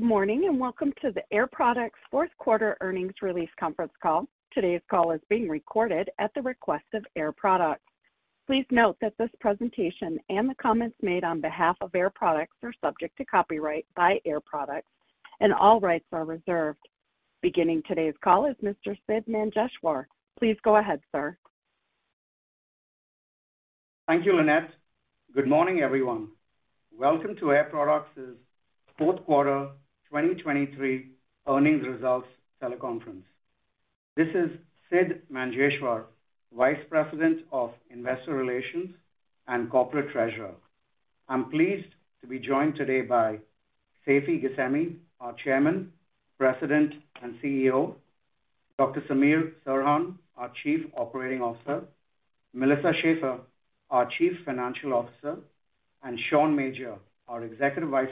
Good morning, and welcome to the Air Products Fourth Quarter Earnings Release Conference Call. Today's call is being recorded at the request of Air Products. Please note that this presentation and the comments made on behalf of Air Products are subject to copyright by Air Products, and all rights are reserved. Beginning today's call is Mr. Sidd Manjeshwar. Please go ahead, sir. Thank you, Lynette. Good morning, everyone. Welcome to Air Products' fourth quarter 2023 earnings results teleconference. This is Sidd Manjeshwar, Vice President of Investor Relations and Corporate Treasurer. I'm pleased to be joined today by Seifi Ghasemi, our Chairman, President, and CEO; Dr. Samir Serhan, our Chief Operating Officer; Melissa Schaeffer, our Chief Financial Officer; and Sean Major, our Executive Vice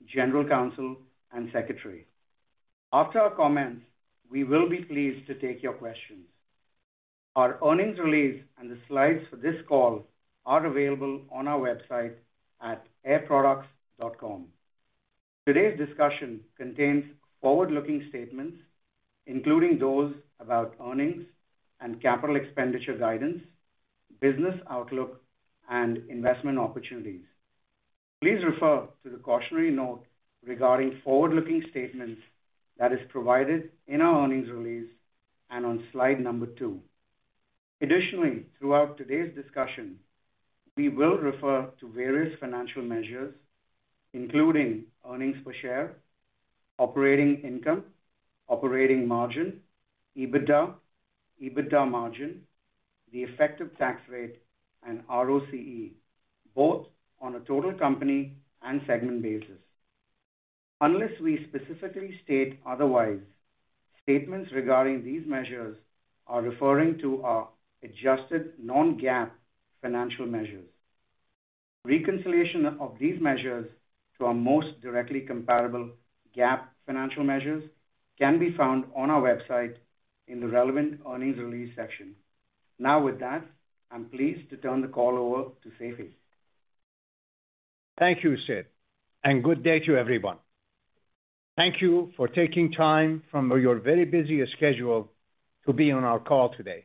President, General Counsel, and Secretary. After our comments, we will be pleased to take your questions. Our earnings release and the slides for this call are available on our website at airproducts.com. Today's discussion contains forward-looking statements, including those about earnings and capital expenditure guidance, business outlook, and investment opportunities. Please refer to the cautionary note regarding forward-looking statements that is provided in our earnings release and on slide number two. Additionally, throughout today's discussion, we will refer to various financial measures, including earnings per share, operating income, operating margin, EBITDA, EBITDA margin, the effective tax rate, and ROCE, both on a total company and segment basis. Unless we specifically state otherwise, statements regarding these measures are referring to our adjusted non-GAAP financial measures. Reconciliation of these measures to our most directly comparable GAAP financial measures can be found on our website in the relevant earnings release section. Now, with that, I'm pleased to turn the call over to Seifi. Thank you, Sid, and good day to everyone. Thank you for taking time from your very busy schedule to be on our call today.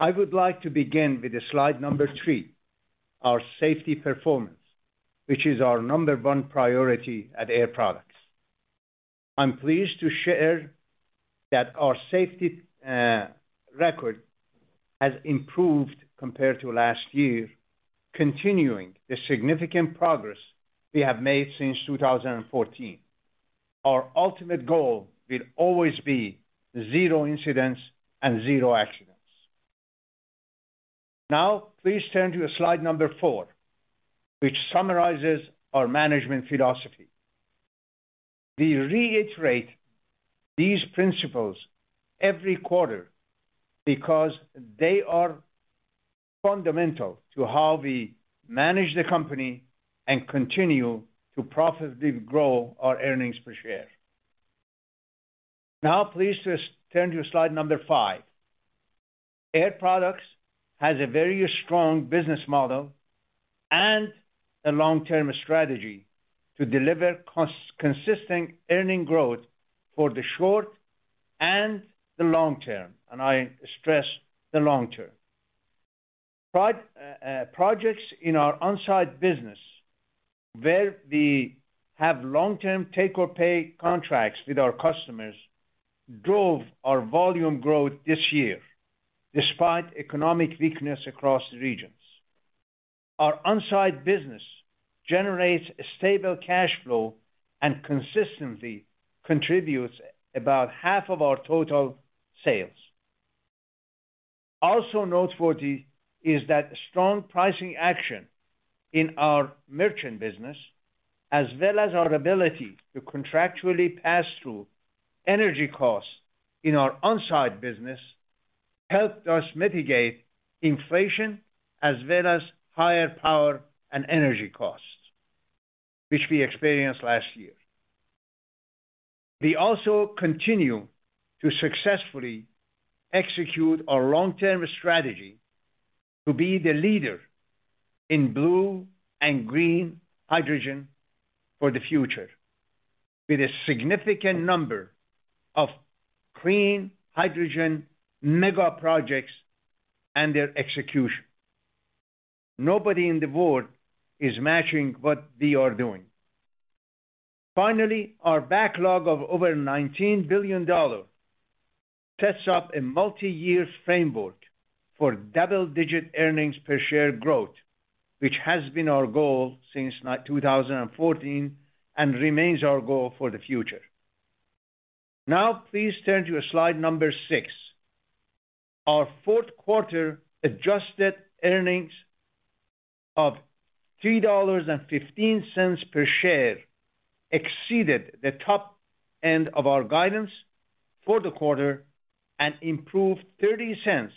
I would like to begin with slide number three, our safety performance, which is our number one priority at Air Products. I'm pleased to share that our safety record has improved compared to last year, continuing the significant progress we have made since 2014. Our ultimate goal will always be zero incidents and zero accidents. Now, please turn to slide number four, which summarizes our management philosophy. We reiterate these principles every quarter because they are fundamental to how we manage the company and continue to profitably grow our earnings per share. Now, please, just turn to slide number five. Air Products has a very strong business model and a long-term strategy to deliver consistent earnings growth for the short and the long term, and I stress the long term. Projects in our on-site business, where we have long-term take-or-pay contracts with our customers, drove our volume growth this year, despite economic weakness across the regions. Our on-site business generates a stable cash flow and consistently contributes about half of our total sales. Also noteworthy is that strong pricing action in our merchant business, as well as our ability to contractually pass through energy costs in our on-site business, helped us mitigate inflation as well as higher power and energy costs, which we experienced last year. We also continue to successfully execute our long-term strategy to be the leader in blue and green hydrogen for the future, with a significant number of clean hydrogen mega projects and their execution. Nobody in the world is matching what we are doing. Finally, our backlog of over $19 billion sets up a multi-year framework for double-digit earnings per share growth, which has been our goal since 2014, and remains our goal for the future. Now, please turn to slide number 6. Our fourth quarter adjusted earnings of $3.15 per share exceeded the top end of our guidance for the quarter and improved $0.30 or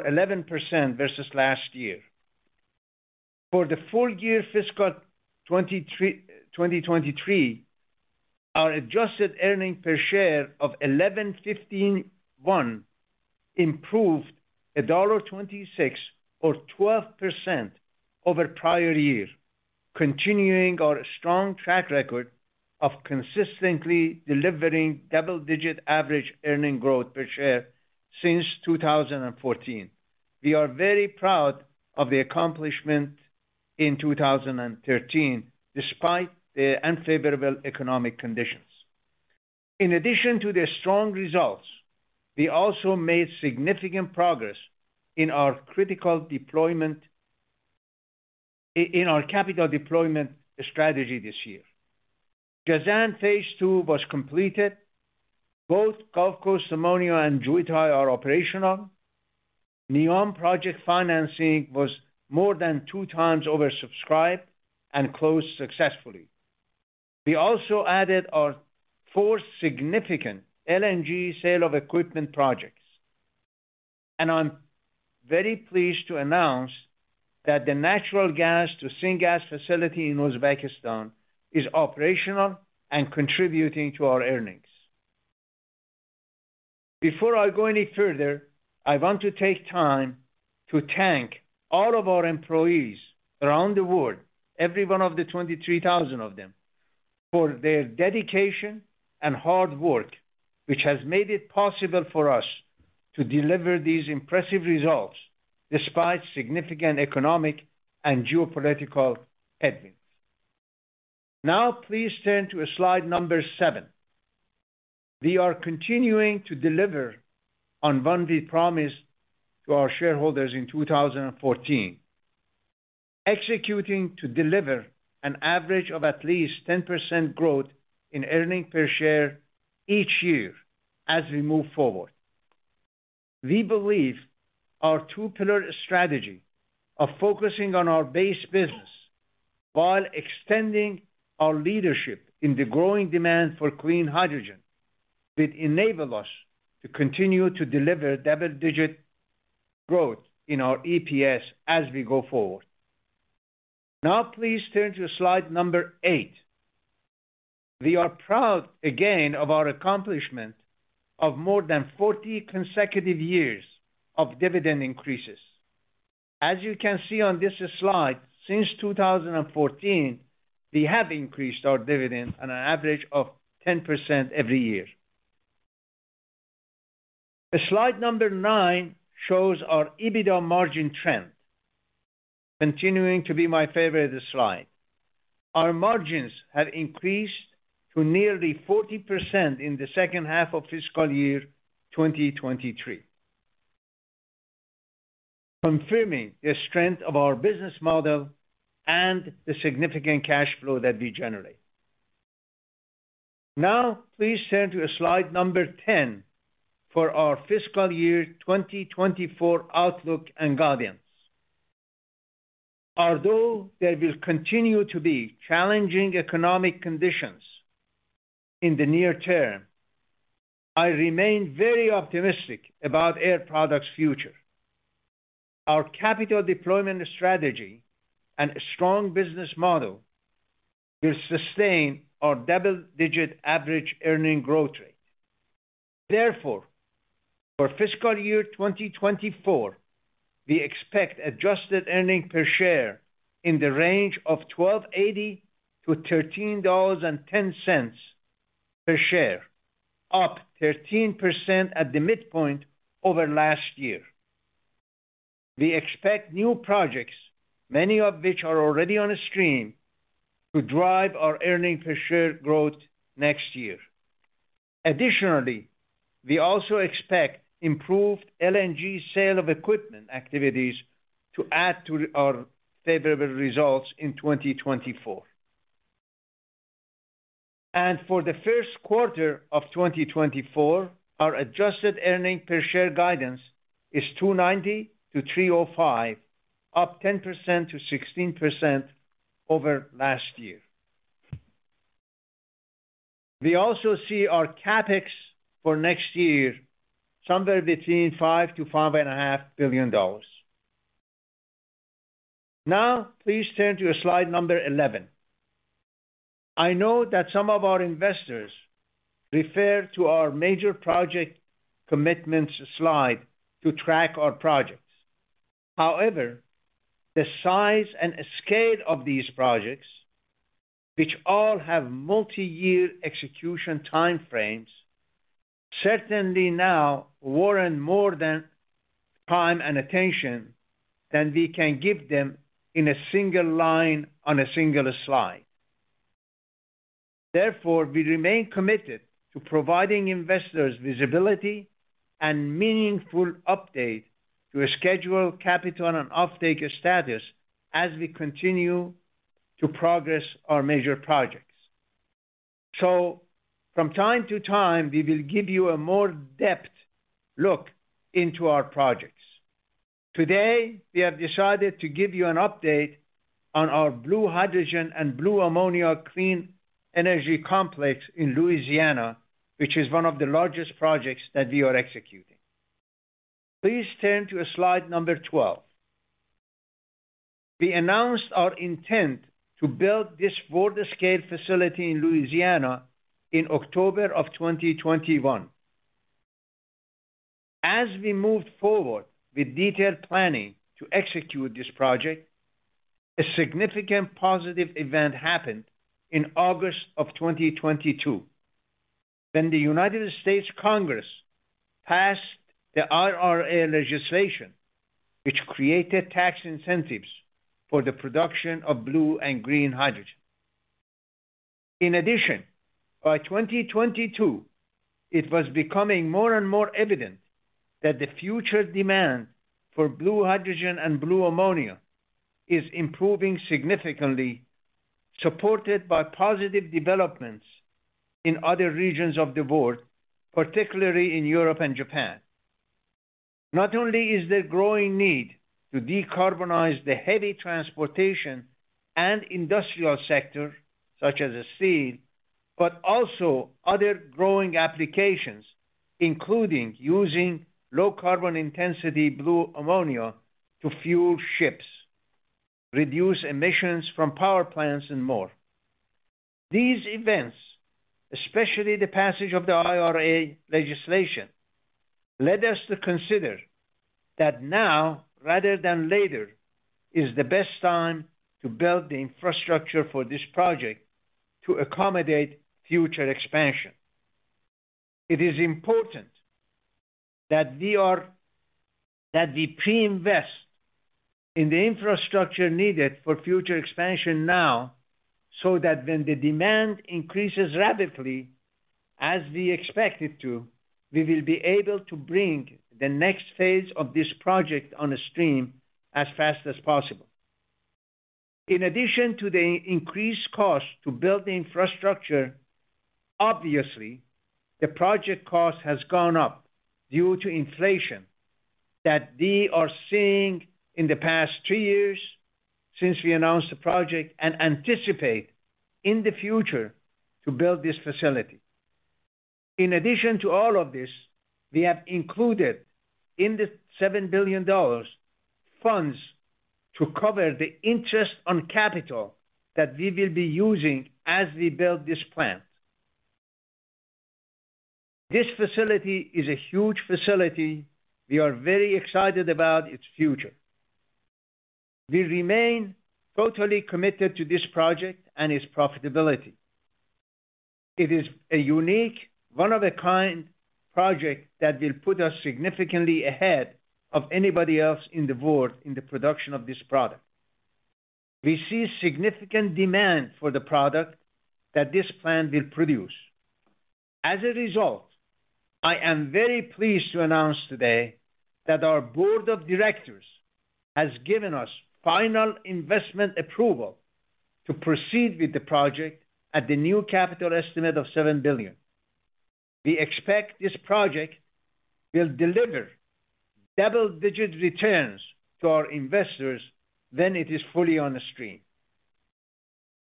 11% versus last year. For the full year fiscal 2023. Our adjusted earnings per share of 1151, improved $1.26 or 12% over prior year, continuing our strong track record of consistently delivering double-digit average earnings growth per share since 2014. We are very proud of the accomplishment in 2013, despite the unfavorable economic conditions. In addition to the strong results, we also made significant progress in our capital deployment strategy this year. Jazan phase II was completed. Both Gulf Coast Ammonia and Jubail are operational. NEOM project financing was more than two times oversubscribed and closed successfully. We also added our fourth significant LNG sale of equipment projects, and I'm very pleased to announce that the natural gas to syngas facility in Uzbekistan is operational and contributing to our earnings. Before I go any further, I want to take time to thank all of our employees around the world, every one of the 23,000 of them, for their dedication and hard work, which has made it possible for us to deliver these impressive results despite significant economic and geopolitical headwinds. Now, please turn to slide seven. We are continuing to deliver on what we promised to our shareholders in 2014, executing to deliver an average of at least 10% growth in earnings per share each year as we move forward. We believe our two-pillar strategy of focusing on our base business while extending our leadership in the growing demand for clean hydrogen will enable us to continue to deliver double-digit growth in our EPS as we go forward. Now, please turn to slide eight. We are proud again of our accomplishment of more than 40 consecutive years of dividend increases. As you can see on this slide, since 2014, we have increased our dividend on average of 10% every year. The slide number nine shows our EBITDA margin trend, continuing to be my favorite slide. Our margins have increased to nearly 40% in the second half of fiscal year 2023, confirming the strength of our business model and the significant cash flow that we generate. Now, please turn to slide number 10 for our fiscal year 2024 outlook and guidance. Although there will continue to be challenging economic conditions in the near term, I remain very optimistic about Air Products' future. Our capital deployment strategy and strong business model will sustain our double-digit average earning growth rate. Therefore, for fiscal year 2024, we expect adjusted earnings per share in the range of $12.80-13.10 per share, up 13% at the midpoint over last year. We expect new projects, many of which are already on stream, to drive our earnings per share growth next year. Additionally, we also expect improved LNG sales of equipment activities to add to our favorable results in 2024. For the first quarter of 2024, our adjusted earnings per share guidance is $2.90-3.05, up 10%-16% over last year. We also see our CapEx for next year somewhere between $5 billion-5.5 billion. Now, please turn to slide number 11. I know that some of our investors refer to our major project commitments slide to track our projects. However, the size and scale of these projects, which all have multi-year execution timeframes, certainly now warrant more time and attention than we can give them in a single line on a single slide. Therefore, we remain committed to providing investors visibility and meaningful updates to a schedule, capital, and offtake status as we continue to progress our major projects. So from time to time, we will give you a more in-depthwith look into our projects. Today, we have decided to give you an update on our blue hydrogen and blue ammonia clean energy complex in Louisiana, which is one of the largest projects that we are executing. Please turn to slide number 12. We announced our intent to build this world-scale facility in Louisiana in October 2021. As we moved forward with detailed planning to execute this project, a significant positive event happened in August of 2022, when the United States Congress passed the IRA legislation, which created tax incentives for the production of blue and green hydrogen. In addition, by 2022, it was becoming more and more evident that the future demand for blue hydrogen and blue ammonia is improving significantly, supported by positive developments in other regions of the world, particularly in Europe and Japan. Not only is there growing need to decarbonize the heavy transportation and industrial sector, such as steel, but also other growing applications, including using low carbon intensity blue ammonia to fuel ships, reduce emissions from power plants, and more. These events, especially the passage of the IRA legislation, led us to consider that now, rather than later, is the best time to build the infrastructure for this project to accommodate future expansion. It is important that we pre-invest in the infrastructure needed for future expansion now, so that when the demand increases radically, as we expect it to, we will be able to bring the next phase of this project on stream as fast as possible. In addition to the increased cost to build the infrastructure, obviously, the project cost has gone up due to inflation that we have seen in the past two years since we announced the project, and anticipate in the future to build this facility. In addition to all of this, we have included in the $7 billionlow-carbon funds to cover the interest on capital that we will be using as we build this plant. This facility is a huge facility. We are very excited about its future. We remain totally committed to this project and its profitability. It is a unique, one-of-a-kind project that will put us significantly ahead of anybody else in the world in the production of this product. We see significant demand for the product that this plant will produce. As a result, I am very pleased to announce today that our board of directors has given us final investment approval to proceed with the project at the new capital estimate of $7 billion. We expect this project will deliver double-digit returns to our investors when it is fully on the stream.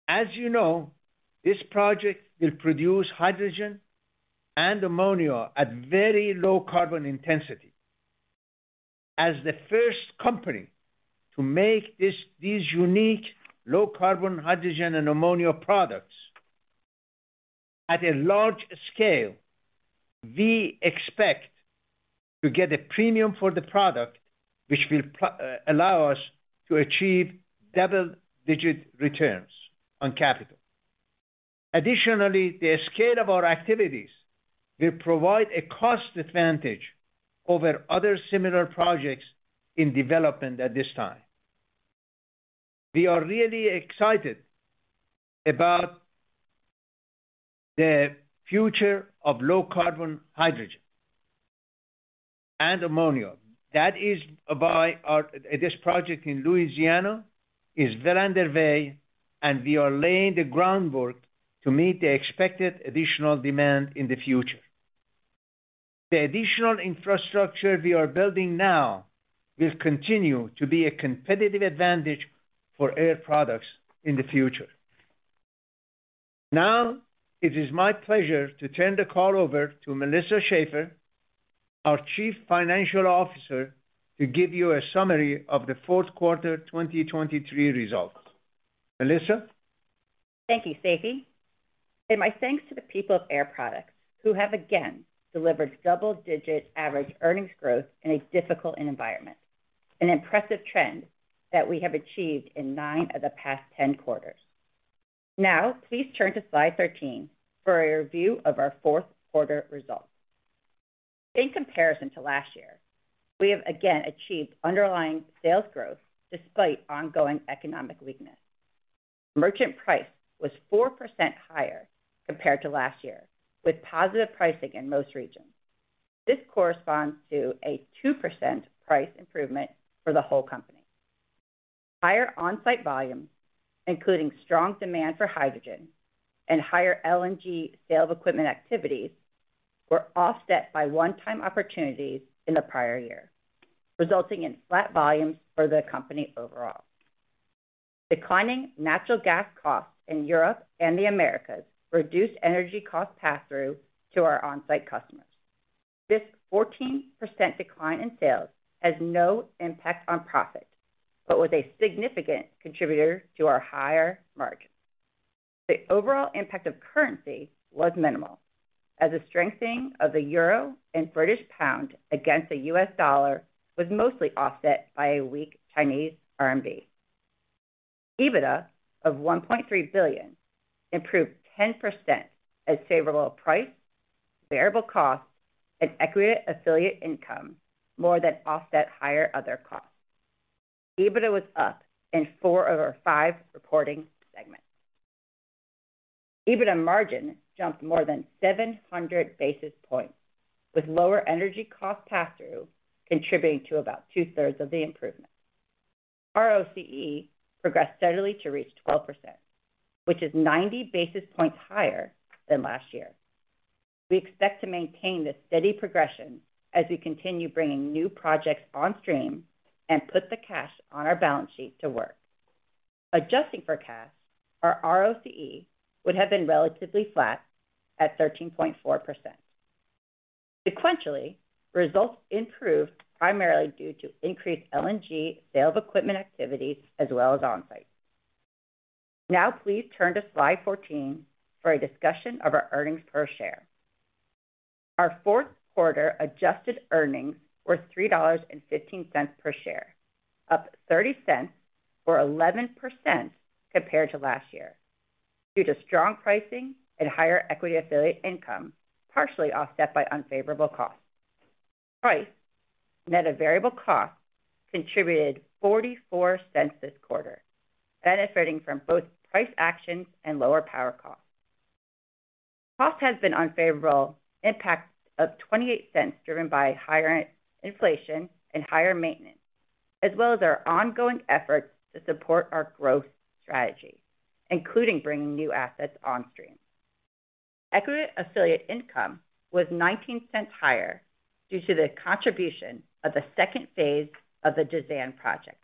As you know, this project will produce hydrogen and ammonia at very low-carbon intensity. As the first company to make this, these unique low-carbon hydrogen and ammonia products at a large scale, we expect to get a premium for the product, which will allow us to achieve double-digit returns on capital. Additionally, the scale of our activities will provide a cost advantage over other similar projects in development at this time. We are really excited about the future of low-carbon hydrogen and ammonia. That is why our, this project in Louisiana is well underway, and we are laying the groundwork to meet the expected additional demand in the future. The additional infrastructure we are building now will continue to be a competitive advantage for Air Products in the future. Now, it is my pleasure to turn the call over to Melissa Schaeffer, our Chief Financial Officer, to give you a summary of the fourth quarter 2023 results. Melissa? Thank you, Seifi. And my thanks to the people of Air Products, who have again delivered double-digit average earnings growth in a difficult environment, an impressive trend that we have achieved in nine of the past 10 quarters. Now, please turn to slide 13 for a review of our fourth quarter results. In comparison to last year, we have again achieved underlying sales growth despite ongoing economic weakness. Merchant price was 4% higher compared to last year, with positive pricing in most regions. This corresponds to a 2% price improvement for the whole company. Higher on-site volumes, including strong demand for hydrogen and higher LNG sales of equipment activities, were offset by one-time opportunities in the prior year, resulting in flat volumes for the company overall. Declining natural gas costs in Europe and the Americas reduced energy cost passthrough to our on-site customers. This 14% decline in sales has no impact on profit, but was a significant contributor to our higher margin. The overall impact of currency was minimal, as a strengthening of the euro and British pound against the U.S. dollar was mostly offset by a weak Chinese RMB. EBITDA of $1.3 billion improved 10% as favorable price, variable costs, and equity affiliate income more than offset higher other costs. EBITDA was up in four of our five reporting segments. EBITDA margin jumped more than 700 basis points, with lower energy cost pass-through contributing to about two-thirds of the improvement. ROCE progressed steadily to reach 12%, which is 90 basis points higher than last year. We expect to maintain this steady progression as we continue bringing new projects on stream and put the cash on our balance sheet to work. Adjusting for cash, our ROCE would have been relatively flat at 13.4%. Sequentially, results improved primarily due to increased LNG sales of equipment activity as well as on-site. Now, please turn to slide 14 for a discussion of our earnings per share. Our fourth quarter adjusted earnings were $3.15 per share, up 30 cents or 11% compared to last year, due to strong pricing and higher equity affiliate income, partially offset by unfavorable costs. Price, net of variable costs, contributed 44 cents this quarter, benefiting from both price actions and lower power costs. Cost has been unfavorable, impact of 28 cents, driven by higher inflation and higher maintenance, as well as our ongoing efforts to support our growth strategy, including bringing new assets on stream. Equity affiliate income was $0.19 higher due to the contribution of the second phase of the Jazan project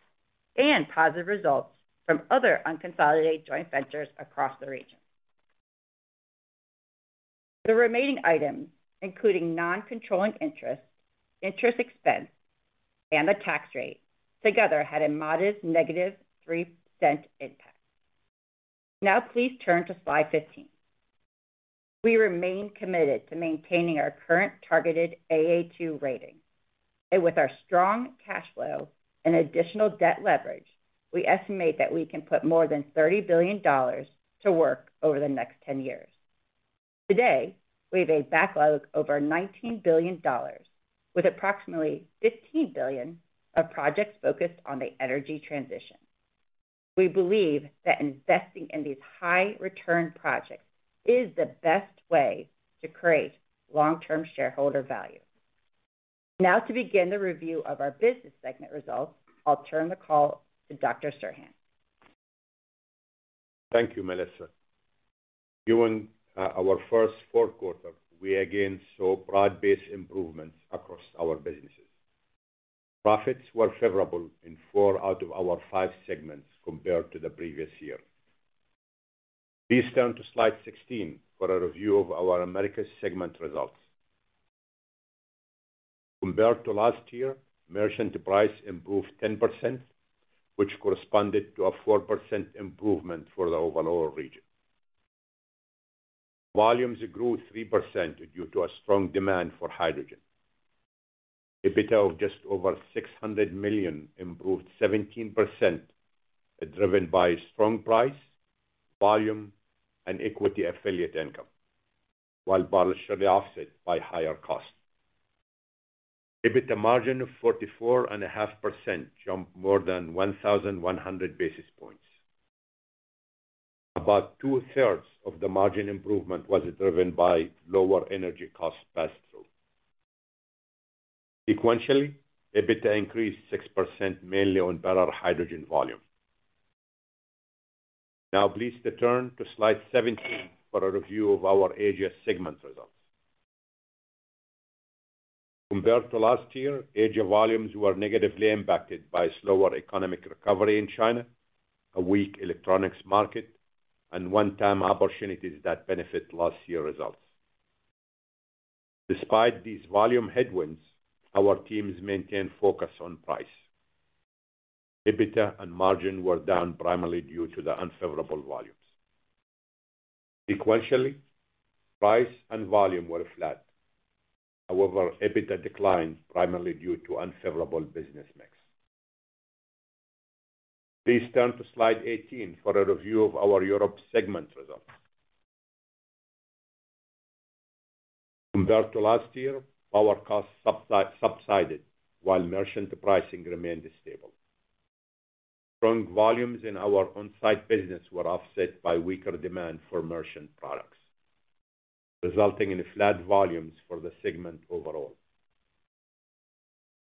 and positive results from other unconsolidated joint ventures across the region. The remaining items, including non-controlling interest, interest expense, and the tax rate, together had a modest an $-0.03 impact. Now, please turn to slide 15. We remain committed to maintaining our current targeted AA2 rating, and with our strong cash flow and additional debt leverage, we estimate that we can put more than $30 billion to work over the next 10 years. Today, we have a backlog of over $19 billion, with approximately $15 billion of projects focused on the energy transition. We believe that investing in these high return projects is the best way to create long-term shareholder value. Now, to begin the review of our business segment results, I'll turn the call to Dr. Samir Serhan. Thank you, Melissa. During our first fourth quarter, we again saw broad-based improvements across our businesses. Profits were favorable in four out of our five segments compared to the previous year. Please turn to slide 16 for a review of our Americas segment results. Compared to last year, merchant price improved 10%, which corresponded to a 4% improvement for the overall region. Volumes grew 3% due to a strong demand for hydrogen. EBITDA of just over $600 million improved 17%, driven by strong price, volume, and equity affiliate income, while partially offset by higher costs. EBITDA margin of 44.5% jumped more than 1,100 basis points. About two-thirds of the margin improvement was driven by lower energy costs pass-through. Sequentially, EBITDA increased 6%, mainly on better hydrogen volume. Now, please turn to slide 17 for a review of our Asia segment results. Compared to last year, Asia volumes were negatively impacted by slower economic recovery in China, a weak electronics market, and one-time opportunities that benefit last year results. Despite these volume headwinds, our teams maintained focus on price. EBITDA and margin were down primarily due to the unfavorable volumes. Sequentially, price and volume were flat. However, EBITDA declined primarily due to unfavorable business mix. Please turn to slide 18 for a review of our Europe segment results. Compared to last year, power costs subsided while merchant pricing remained stable. Strong volumes in our on-site business were offset by weaker demand for merchant products, resulting in flat volumes for the segment overall.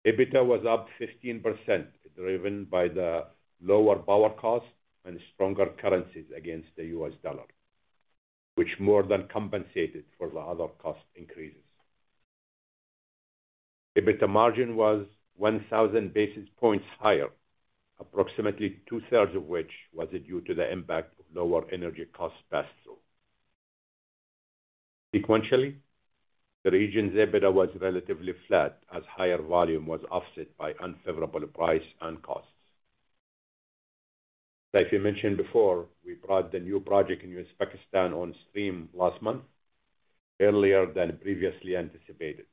EBITDA was up 15%, driven by the lower power costs and stronger currencies against the US dollar, which more than compensated for the other cost increases. EBITDA margin was 1,000 basis points higher, approximately two-thirds of which was due to the impact of lower energy cost pass-through. Sequentially, the region's EBITDA was relatively flat, as higher volume was offset by unfavorable price and costs. Like we mentioned before, we brought the new project in Uzbekistan on stream last month, earlier than previously anticipated.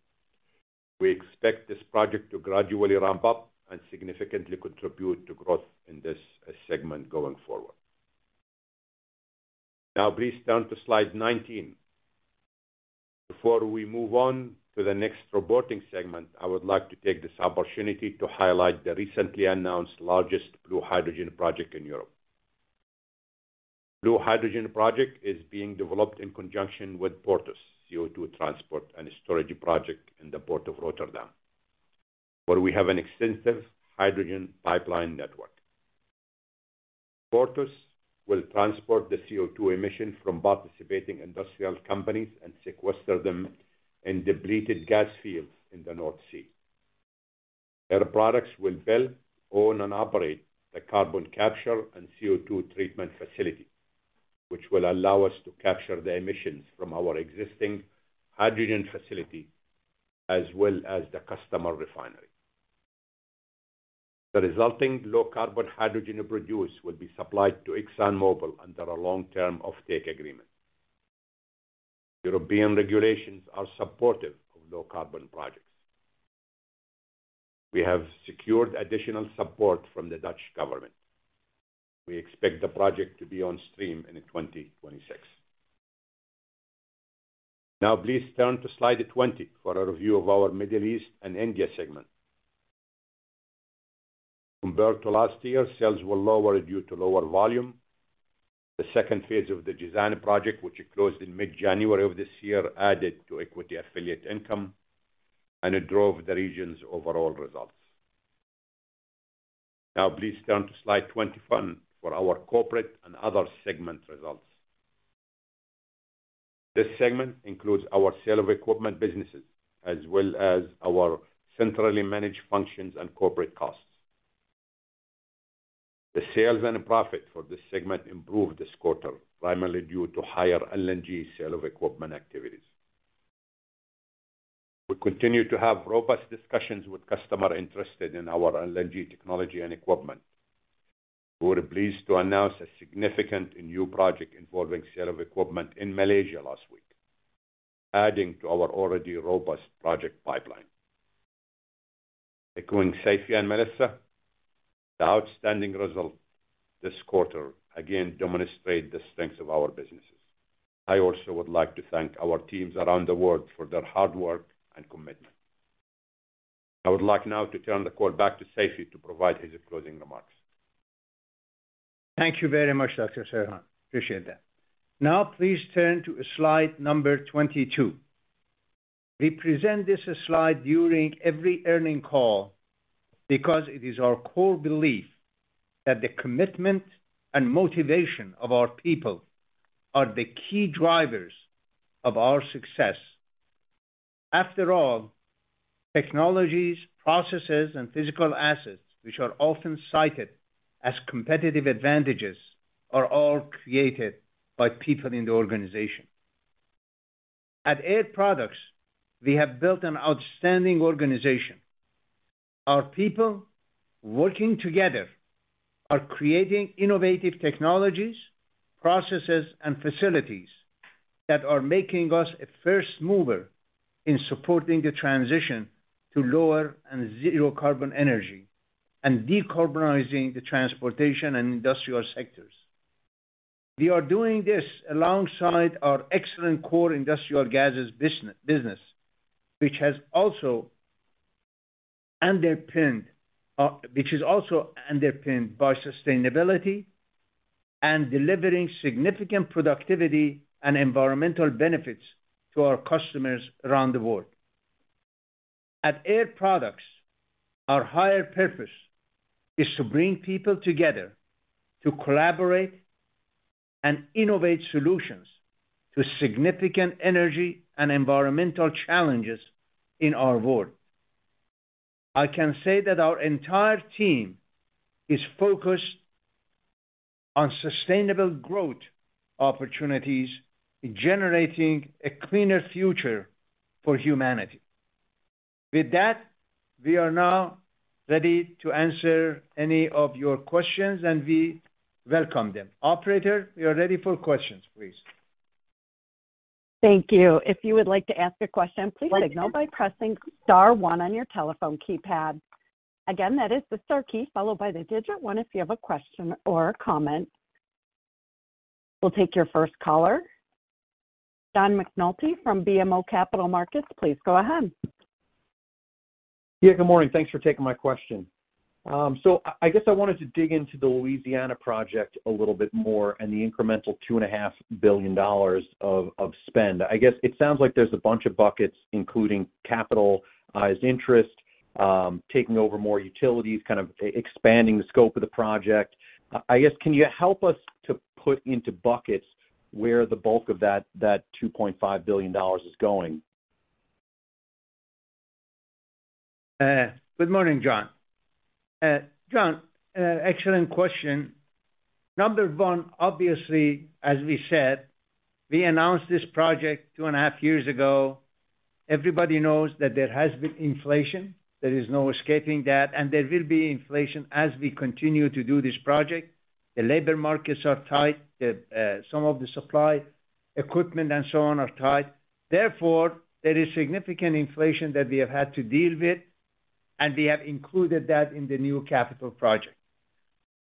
We expect this project to gradually ramp up and significantly contribute to growth in this segment going forward. Now, please turn to slide 19. Before we move on to the next reporting segment, I would like to take this opportunity to highlight the recently announced largest blue hydrogen project in Europe. Blue hydrogen project is being developed in conjunction with Porthos, CO₂ transport and storage project in the Port of Rotterdam, where we have an extensive hydrogen pipeline network. Porthos will transport the CO₂ emissions from participating industrial companies and sequester them in depleted gas fields in the North Sea. Air Products will build, own, and operate the carbon capture and CO₂ treatment facility, which will allow us to capture the emissions from our existing hydrogen facility, as well as the customer refinery. The resulting low-emissions carbon hydrogen it produces will be supplied to ExxonMobil under a long-term offtake agreement. European regulations are supportive of low-carbon customers projects. We have secured additional support from the Dutch government. We expect the project to be on stream in 2026. Now, please turn to slide 20 for a review of our Middle East and India segment. Compared to last year, sales were lower due to lower volume. The second phase of the design project, which it closed in mid-January of this year, added to equity affiliate income, and it drove the region's overall results. Now, please turn to slide 21 for our corporate and other segment results. This segment includes our sale of equipment businesses, as well as our centrally managed functions and corporate costs. The sales and profit for this segment improved this quarter, primarily due to higher LNG sale of equipment activities. We continue to have robust discussions with customers interested in our LNG technology and equipment. We were pleased to announce a significant new project involving sale of equipment in Malaysia last week, adding to our already robust project pipeline. Echoing Seifi and Melissa, the outstanding result this quarter again demonstrates the strengths of our businesses. I also would like to thank our teams around the world for their hard work and commitment. I would like now to turn the call back to Seifi to provide his closing remarks. Thank you very much, Dr. Serhan. Appreciate that. Now, please turn to slide number 22. We present this slide during every earnings call because it is our core belief that the commitment and motivation of our people are the key drivers of our success. After all, technologies, processes, and physical assets, which are often cited as competitive advantages, are all created by people in the organization. At Air Products, we have built an outstanding organization. Our people, working together, are creating innovative technologies, processes, and facilities that are making us a first mover in supporting the transition to lower and zero carbon energy and decarbonizing the transportation and industrial sectors. We are doing this alongside our excellent core industrial gases business, which has also underpinned, which is also underpinned by sustainability and delivering significant productivity and environmental benefits to our customers around the world. At Air Products, our higher purpose is to bring people together to collaborate and innovate solutions to significant energy and environmental challenges in our world. I can say that our entire team is focused on sustainable growth opportunities in generating a cleaner future for humanity. With that, we are now ready to answer any of your questions, and we welcome them. Operator, we are ready for questions, please. Thank you. If you would like to ask a question, please signal by pressing star one on your telephone keypad. Again, that is the star key followed by the digit one if you have a question or a comment. We'll take your first caller. John McNulty from BMO Capital Markets, please go ahead. Yeah, good morning. Thanks for taking my question. So I guess I wanted to dig into the Louisiana project a little bit more and the incremental $2.5 billion of spend. I guess it sounds like there's a bunch of buckets, including capital as interest, taking over more utilities, kind of expanding the scope of the project. I guess, can you help us to put into buckets where the bulk of that $2.5 billion is going? Good morning, John. Excellent question. Number one, obviously, as we said, we announced this project 2.5 years ago. Everybody knows that there has been inflation. There is no escaping that, and there will be inflation as we continue to do this project. The labor markets are tight; some of the supply, equipment, and so on are tight. Therefore, there is significant inflation that we have had to deal with, and we have included that in the new capital project.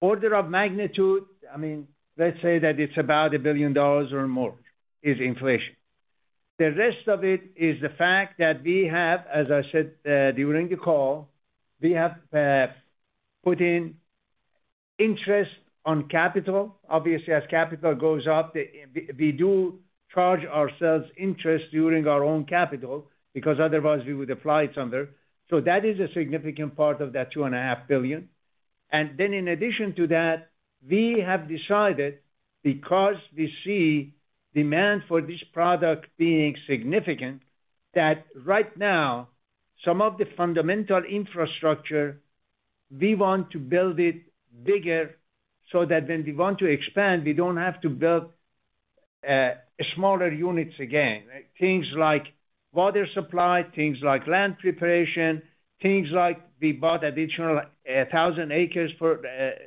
Order of magnitude, I mean, let's say that it's about $1 billion or more, is inflation. The rest of it is the fact that we have, as I said, during the call, we have, put in interest on capital. Obviously, as capital goes up, the, we, we do charge ourselves interest during our own capital, because otherwise we would apply it somewhere. So that is a significant part of that $2.5 billion. And then in addition to that, we have decided, because we see demand for this product being significant, that right now, some of the fundamental infrastructure, we want to build it bigger, so that when we want to expand, we don't have to build, smaller units again. Things like water supply, things like land preparation, things like we bought additional, 1,000 acres for,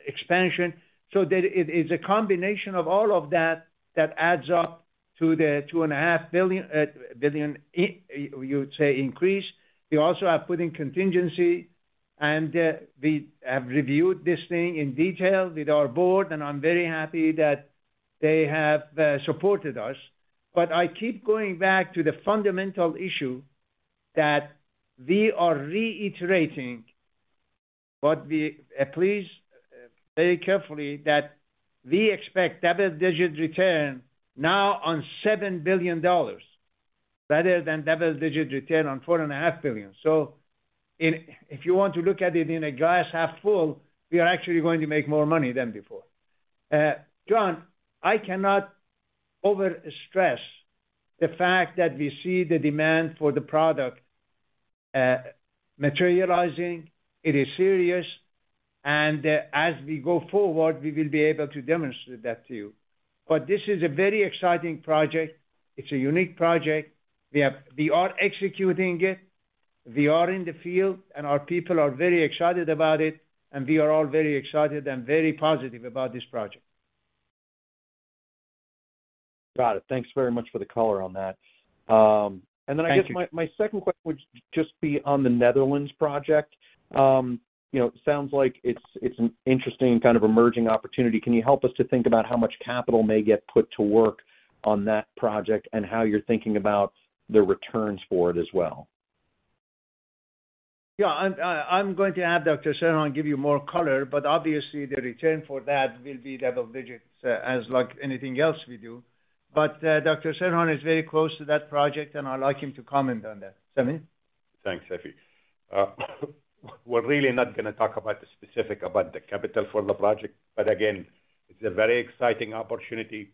expansion. So that it, it's a combination of all of that, that adds up to the $2.5 billion, you would say, increase. We also have put in contingency, and we have reviewed this thing in detail with our board, and I'm very happy that they have supported us. But I keep going back to the fundamental issue that we are reiterating what we... Please, very carefully, that we expect double-digit return now on $7 billion, rather than double-digit return on $4.5 billion. So, if you want to look at it in a glass half full, we are actually going to make more money than before. John, I cannot overstress the fact that we see the demand for the product materializing. It is serious, and as we go forward, we will be able to demonstrate that to you. But this is a very exciting project. It's a unique project. We have. We are executing it. We are in the field, and our people are very excited about it, and we are all very excited and very positive about this project. Got it. Thanks very much for the color on that. And then I guess- Thank you. My second question would just be on the Netherlands project. You know, it sounds like it's an interesting kind of emerging opportunity. Can you help us to think about how much capital may get put to work on that project, and how you're thinking about the returns for it as well? Yeah, I'm going to have Dr. Serhan give you more color, but obviously the return for that will be double digits, as like anything else we do. But, Dr. Serhan is very close to that project, and I'd like him to comment on that. Serhan? Thanks, Seifi. We're really not gonna talk about the specific about the capital for the project, but again, it's a very exciting opportunity.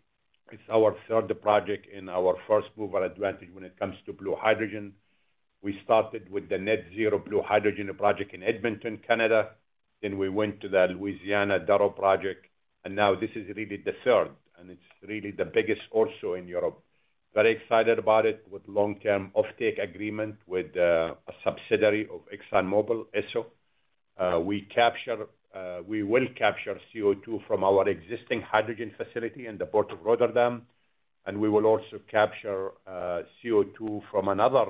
It's our third project and our first mover advantage when it comes to blue hydrogen. We started with the Net Zero blue hydrogen project in Edmonton, Canada, then we went to the Louisiana Darrow project, and now this is really the third, and it's really the biggest also in Europe. Very excited about it, with long-term offtake agreement with a subsidiary of ExxonMobil, Esso. We will capture CO2 from our existing hydrogen facility in the port of Rotterdam, and we will also capture CO2 from another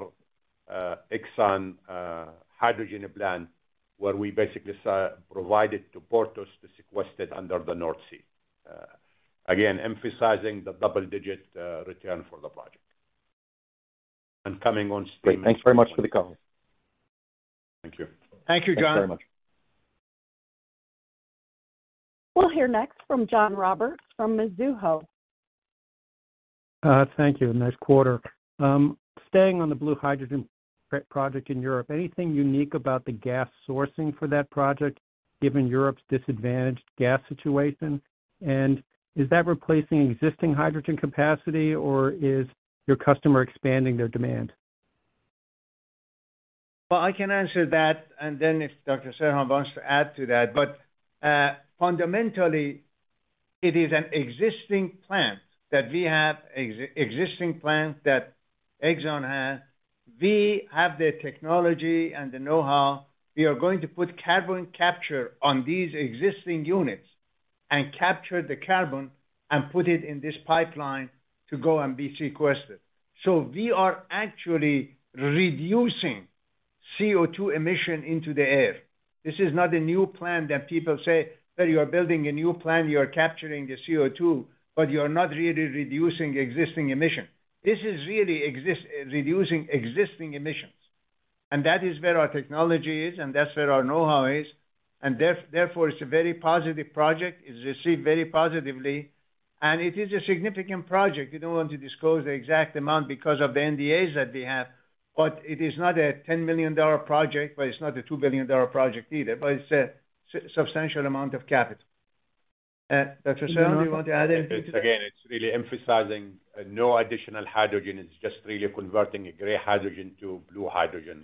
Exxon hydrogen plant, where we basically provide it to Porthos to sequester it under the North Sea. Again, emphasizing the double-digit return for the project and coming on stream- Great. Thanks very much for the call. Thank you. Thank you, John. Thanks very much. We'll hear next from John Roberts from Mizuho. Thank you. Nice quarter. Staying on the blue hydrogen project in Europe, anything unique about the gas sourcing for that project, given Europe's disadvantaged gas situation? And is that replacing existing hydrogen capacity, or is your customer expanding their demand? Well, I can answer that, and then if Dr. Serhan wants to add to that. But, fundamentally, it is an existing plant that we have, existing plant that Exxon has. We have the technology and the know-how. We are going to put carbon capture on these existing units and capture the carbon and put it in this pipeline to go and be sequestered. So we are actually reducing CO2 emission into the air. This is not a new plan that people say, "Well, you are building a new plan, you are capturing the CO2, but you are not really reducing existing emission." This is really reducing existing emissions, and that is where our technology is, and that's where our know-how is, and therefore, it's a very positive project. It's received very positively... And it is a significant project. We don't want to disclose the exact amount because of the NDAs that we have, but it is not a $10 million project, but it's not a $2 billion project either, but it's a substantial amount of capital. Samir, you want to add anything to that? Again, it's really emphasizing no additional hydrogen. It's just really converting a gray hydrogen to blue hydrogen,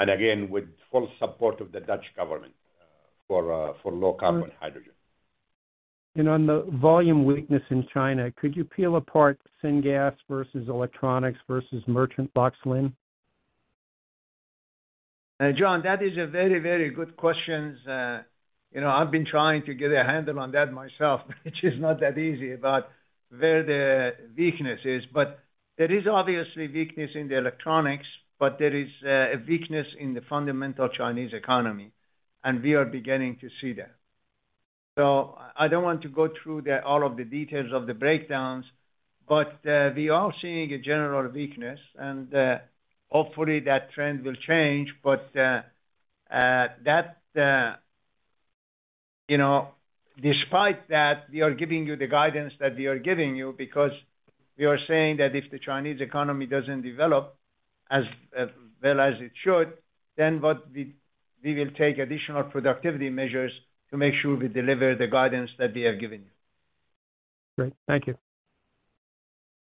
and again, with full support of the Dutch government for low-carbon hydrogen. On the volume weakness in China, could you peel apart Syngas versus electronics versus merchant box, Seifi? John, that is a very, good question. You know, I've been trying to get a handle on that myself, which is not that easy, but where the weakness is. But there is obviously weakness in the electronics, but there is a weakness in the fundamental Chinese economy, and we are beginning to see that. So I don't want to go through all of the details of the breakdowns, but we are seeing a general weakness, and hopefully that trend will change. But that you know, despite that, we are giving you the guidance that we are giving you because we are saying that if the Chinese economy doesn't develop as well as it should, then what we will take additional productivity measures to make sure we deliver the guidance that we have given you. Great. Thank you.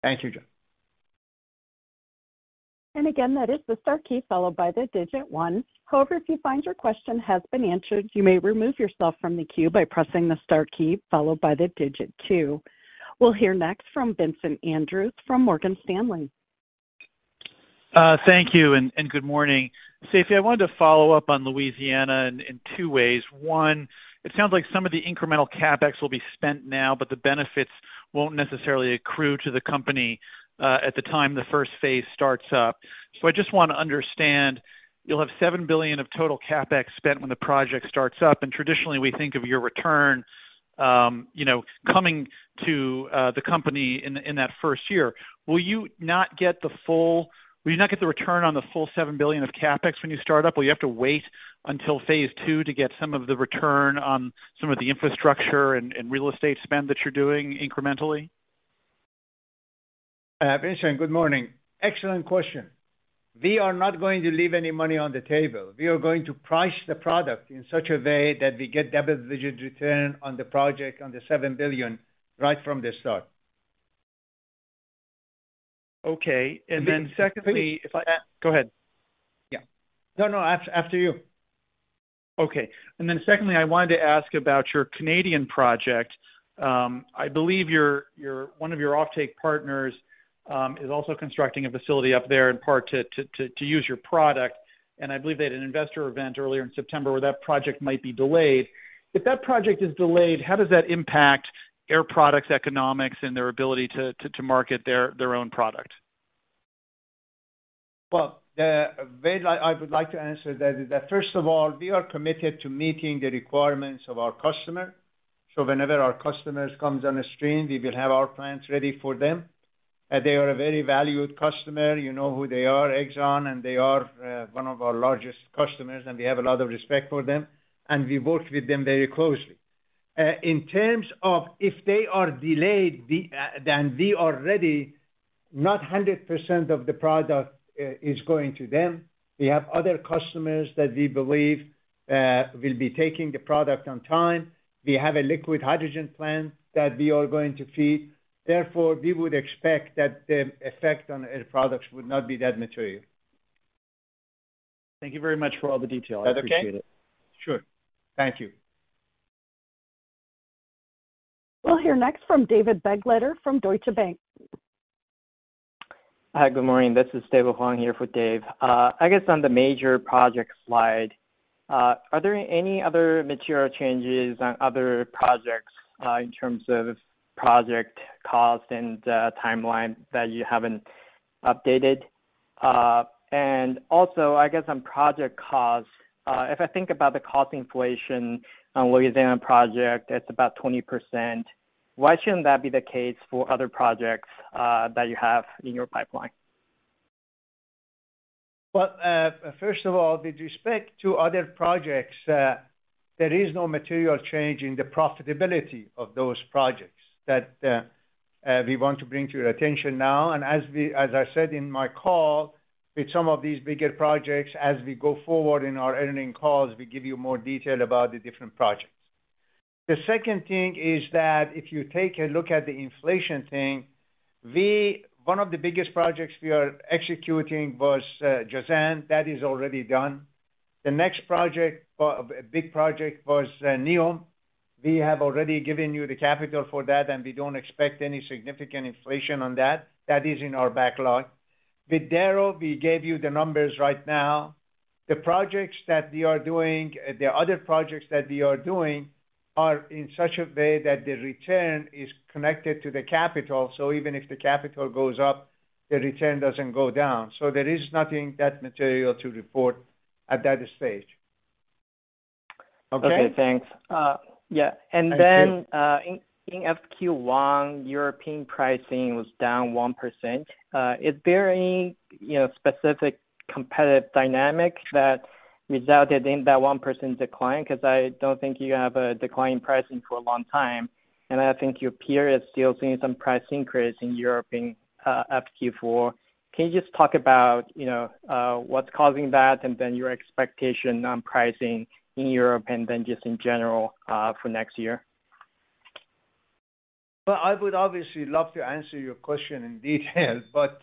Thank you, John. And again, that is the star key, followed by the digit one. However, if you find your question has been answered, you may remove yourself from the queue by pressing the star key followed by the digit two. We'll hear next from Vincent Andrews from Morgan Stanley. Thank you, and good morning. Seifi, I wanted to follow up on Louisiana in two ways. One, it sounds like some of the incremental CapEx will be spent now, but the benefits won't necessarily accrue to the company at the time the first phase starts up. So I just want to understand, you'll have $7 billion of total CapEx spent when the project starts up, and traditionally we think of your return, you know, coming to the company in that first year. Will you not get the full—will you not get the return on the full $7 billion of CapEx when you start up? Will you have to wait until phase two to get some of the return on some of the infrastructure and real estate spend that you're doing incrementally? Vincent, good morning. Excellent question. We are not going to leave any money on the table. We are going to price the product in such a way that we get double-digit return on the project, on the $7 billion, right from the start. Okay. Then secondly, if Go ahead. Yeah. No, after you. Okay, and then secondly, I wanted to ask about your Canadian project. I believe your one of your offtake partners is also constructing a facility up there in part to use your product. And I believe they had an investor event earlier in September, where that project might be delayed. If that project is delayed, how does that impact Air Products economics and their ability to market their own product? Well, the way I would like to answer that is that, first of all, we are committed to meeting the requirements of our customer. So whenever our customers comes on the stream, we will have our plans ready for them. They are a very valued customer. You know who they are, Exxon, and they are one of our largest customers, and we have a lot of respect for them, and we work with them very closely. In terms of if they are delayed, we then we already not 100% of the product is going to them. We have other customers that we believe will be taking the product on time. We have a liquid hydrogen plant that we are going to feed. Therefore, we would expect that the effect on Air Products would not be that material. Thank you very much for all the detail. Okay. I appreciate it. Sure. Thank you. We'll hear next from David Bengleiter from Deutsche Bank. Hi, good morning. This is David Bengleiter here for Dave. I guess on the major project slide, are there any other material changes on other projects, in terms of project cost and, timeline that you haven't updated? And also, I guess on project cost, if I think about the cost inflation on Louisiana project, it's about 20%. Why shouldn't that be the case for other projects, that you have in your pipeline? Well, first of all, with respect to other projects, there is no material change in the profitability of those projects that, we want to bring to your attention now. And as I said in my call, with some of these bigger projects, as we go forward in our earnings calls, we give you more detail about the different projects. The second thing is that if you take a look at the inflation thing, one of the biggest projects we are executing was Jazan. That is already done. The next project, big project was NEOM. We have already given you the capital for that, and we don't expect any significant inflation on that. That is in our backlog. With Darrow, we gave you the numbers right now. The projects that we are doing, the other projects that we are doing, are in such a way that the return is connected to the capital. So even if the capital goes up, the return doesn't go down. So there is nothing that material to report at that stage.... Okay, thanks. Yeah, and then in FQ1, European pricing was down 1%. Is there any, you know, specific competitive dynamic that resulted in that 1% decline? 'Cause I don't think you have a decline in pricing for a long time, and I think your peer is still seeing some price increase in Europe in FQ4. Can you just talk about, you know, what's causing that, and then your expectation on pricing in Europe and then just in general for next year? Well, I would obviously love to answer your question in detail, but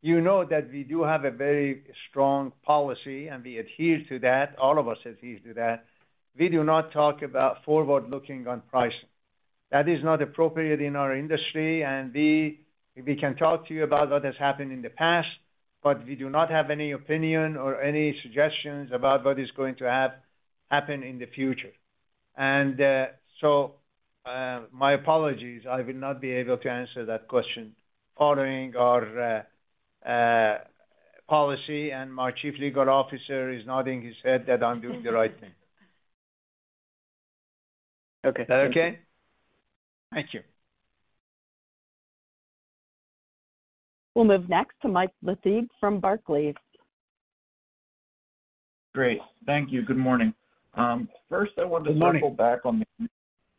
you know that we do have a very strong policy and we adhere to that. All of us adhere to that. We do not talk about forward-looking on pricing. That is not appropriate in our industry, and we can talk to you about what has happened in the past, but we do not have any opinion or any suggestions about what is going to happen in the future. So, my apologies, I will not be able to answer that question, following our policy, and my Chief Legal Officer is nodding his head that I'm doing the right thing. Okay. Is that okay? Thank you. We'll move next to Mike Leithhead from Barclays. Great. Thank you. Good morning. First, I want to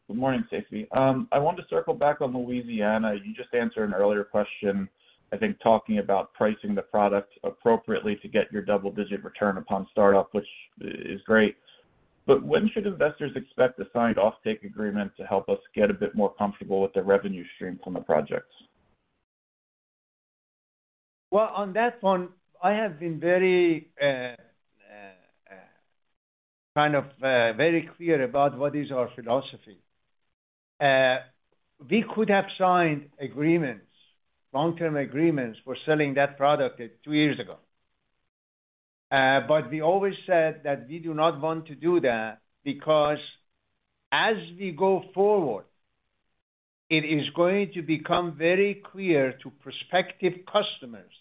Good morning. Good morning, Seifi. I want to circle back on Louisiana. You just answered an earlier question, I think, talking about pricing the product appropriately to get your double-digit return upon startup, which is great. But when should investors expect a signed off-take agreement to help us get a bit more comfortable with the revenue streams on the projects? Well, on that one, I have been very, kind of, very clear about what is our philosophy. We could have signed agreements, long-term agreements, for selling that product, two years ago. But we always said that we do not want to do that because as we go forward, it is going to become very clear to prospective customers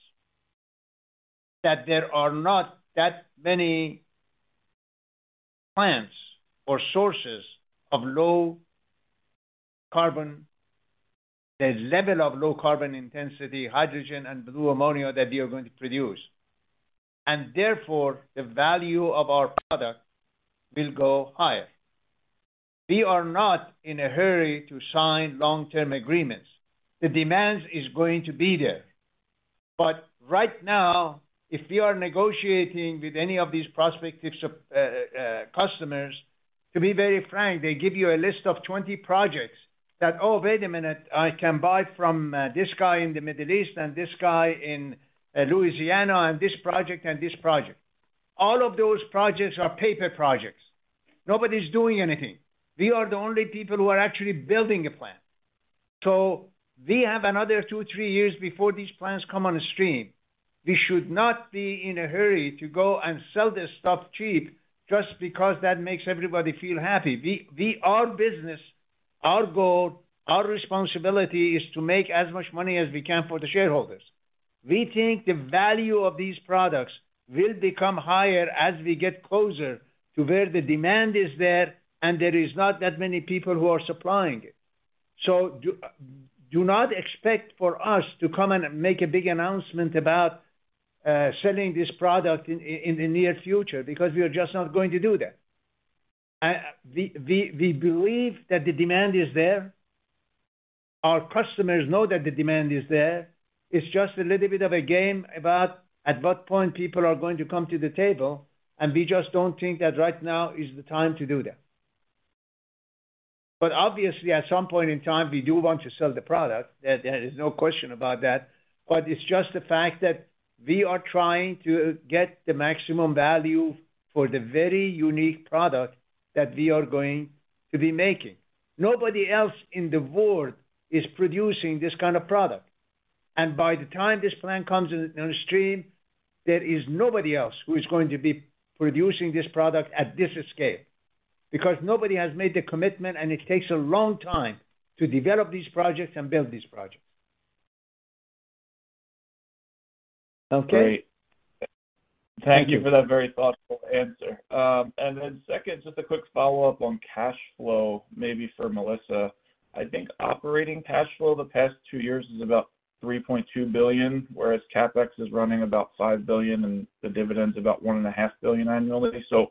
that there are not that many plants or sources of low carbon, the level of low carbon intensity, hydrogen and blue ammonia that we are going to produce. And therefore, the value of our product will go higher. We are not in a hurry to sign long-term agreements. The demands is going to be there. But right now, if we are negotiating with any of these prospective customers, to be very frank, they give you a list of 20 projects that, "Oh, wait a minute, I can buy from this guy in the Middle East and this guy in Louisiana, and this project and this project." All of those projects are paper projects. Nobody's doing anything. We are the only people who are actually building a plant. So we have another two to three years before these plants come on the stream. We should not be in a hurry to go and sell this stuff cheap just because that makes everybody feel happy. Our business, our goal, our responsibility, is to make as much money as we can for the shareholders. We think the value of these products will become higher as we get closer to where the demand is there, and there is not that many people who are supplying it. So do not expect for us to come and make a big announcement about selling this product in the near future, because we are just not going to do that. We believe that the demand is there. Our customers know that the demand is there. It's just a little bit of a game about at what point people are going to come to the table, and we just don't think that right now is the time to do that. But obviously, at some point in time, we do want to sell the product. There is no question about that. It's just the fact that we are trying to get the maximum value for the very unique product that we are going to be making. Nobody else in the world is producing this kind of product, and by the time this plan comes in, on the stream, there is nobody else who is going to be producing this product at this scale, because nobody has made the commitment, and it takes a long time to develop these projects and build these projects. Okay? Great. Thank you for that very thoughtful answer. And then second, just a quick follow-up on cash flow, maybe for Melissa. I think operating cash flow the past two years is about $3.2 billion, whereas CapEx is running about $5 billion, and the dividend's about $1.5 billion annually. So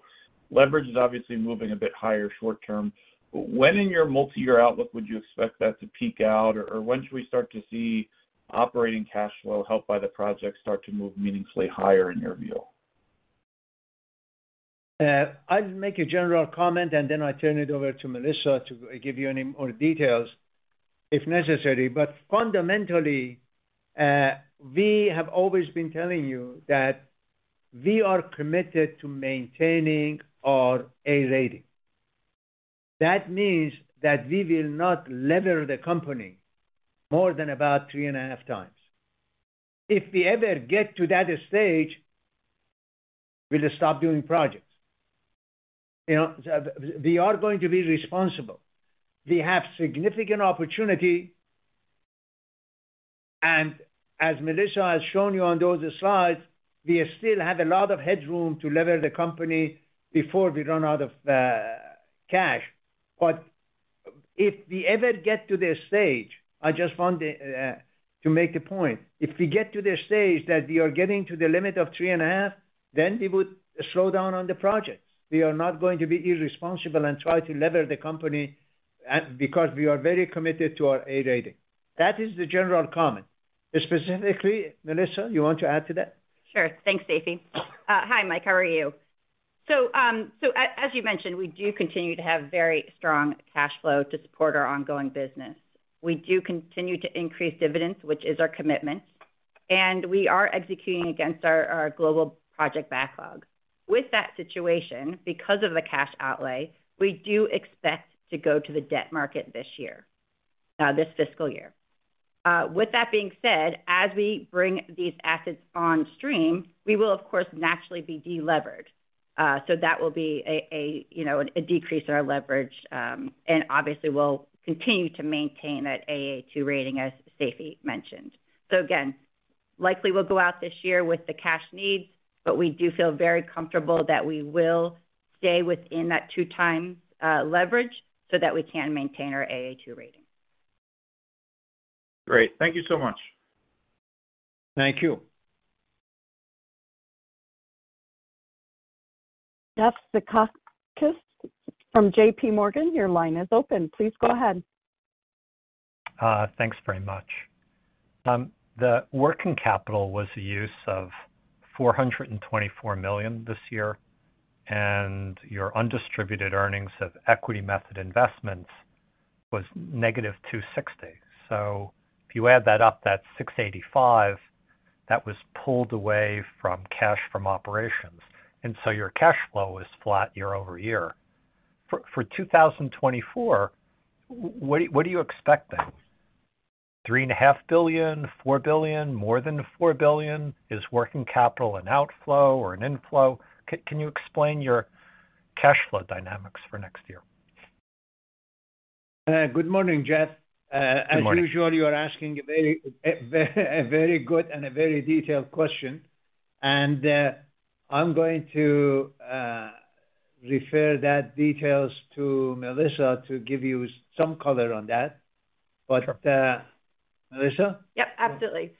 leverage is obviously moving a bit higher short term. When in your multi-year outlook would you expect that to peak out, or, or when should we start to see operating cash flow, helped by the project, start to move meaningfully higher in your view? I'll make a general comment, and then I turn it over to Melissa to give you any more details, if necessary. But fundamentally, we have always been telling you that we are committed to maintaining our A rating. That means that we will not lever the company more than about 3.5x. If we ever get to that stage, we'll stop doing projects. You know, we are going to be responsible. We have significant opportunity. And as Melissa has shown you on those slides, we still have a lot of headroom to lever the company before we run out of cash. But if we ever get to this stage, I just want to make a point. If we get to the stage that we are getting to the limit of 3.5x, then we would slow down on the projects. We are not going to be irresponsible and try to leverage the company at, because we are very committed to our A rating. That is the general comment. Specifically, Melissa, you want to add to that? Sure. Thanks, Seifi. Hi, Mike, how are you? So, as you mentioned, we do continue to have very strong cash flow to support our ongoing business. We do continue to increase dividends, which is our commitment, and we are executing against our global project backlog. With that situation, because of the cash outlay, we do expect to go to the debt market this year, this fiscal year. With that being said, as we bring these assets on stream, we will, of course, naturally be delevered. So that will be, you know, a decrease in our leverage, and obviously we'll continue to maintain that AA two rating, as Seifi mentioned. So again, likely we'll go out this year with the cash needs, but we do feel very comfortable that we will stay within that 2x leverage so that we can maintain our AA two rating. Great. Thank you so much. Thank you. Jeffrey Zekauskas from JP Morgan, your line is open. Please go ahead. Thanks very much. The working capital was a use of $424 million this year, and your undistributed earnings of equity method investments was negative $260 million. So if you add that up, that's $685 million, that was pulled away from cash from operations, and so your cash flow is flat year-over-year. For 2024, what are you expecting? $3.5 billion, $4 billion, more than $4 billion? Is working capital an outflow or an inflow? Can you explain your cash flow dynamics for next year? Good morning, Jeff. Good morning. As usual, you are asking a very good and a very detailed question, and I'm going to refer those details to Melissa to give you some color on that. Sure. But, Melissa? Yep, absolutely.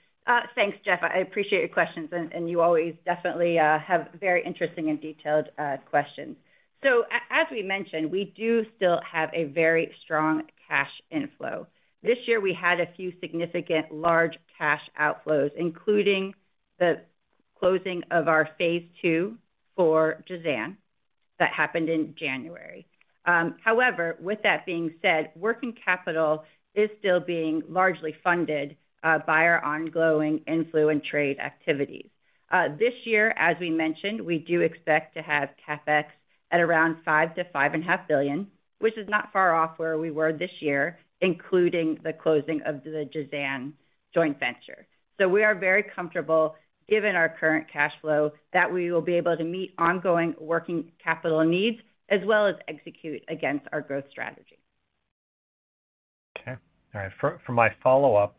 Thanks, Jeff. I appreciate your questions and, and you always definitely have very interesting and detailed questions. So as we mentioned, we do still have a very strong cash inflow. This year we had a few significant large cash outflows, including the closing of our phase two for Jazan. That happened in January. However, with that being said, working capital is still being largely funded by our ongoing inflow and trade activities. This year, as we mentioned, we do expect to have CapEx at around $5 billion-5.5 billion, which is not far off where we were this year, including the closing of the Jazan joint venture. So we are very comfortable, given our current cash flow, that we will be able to meet ongoing working capital needs as well as execute against our growth strategy. Okay. All right. For my follow-up,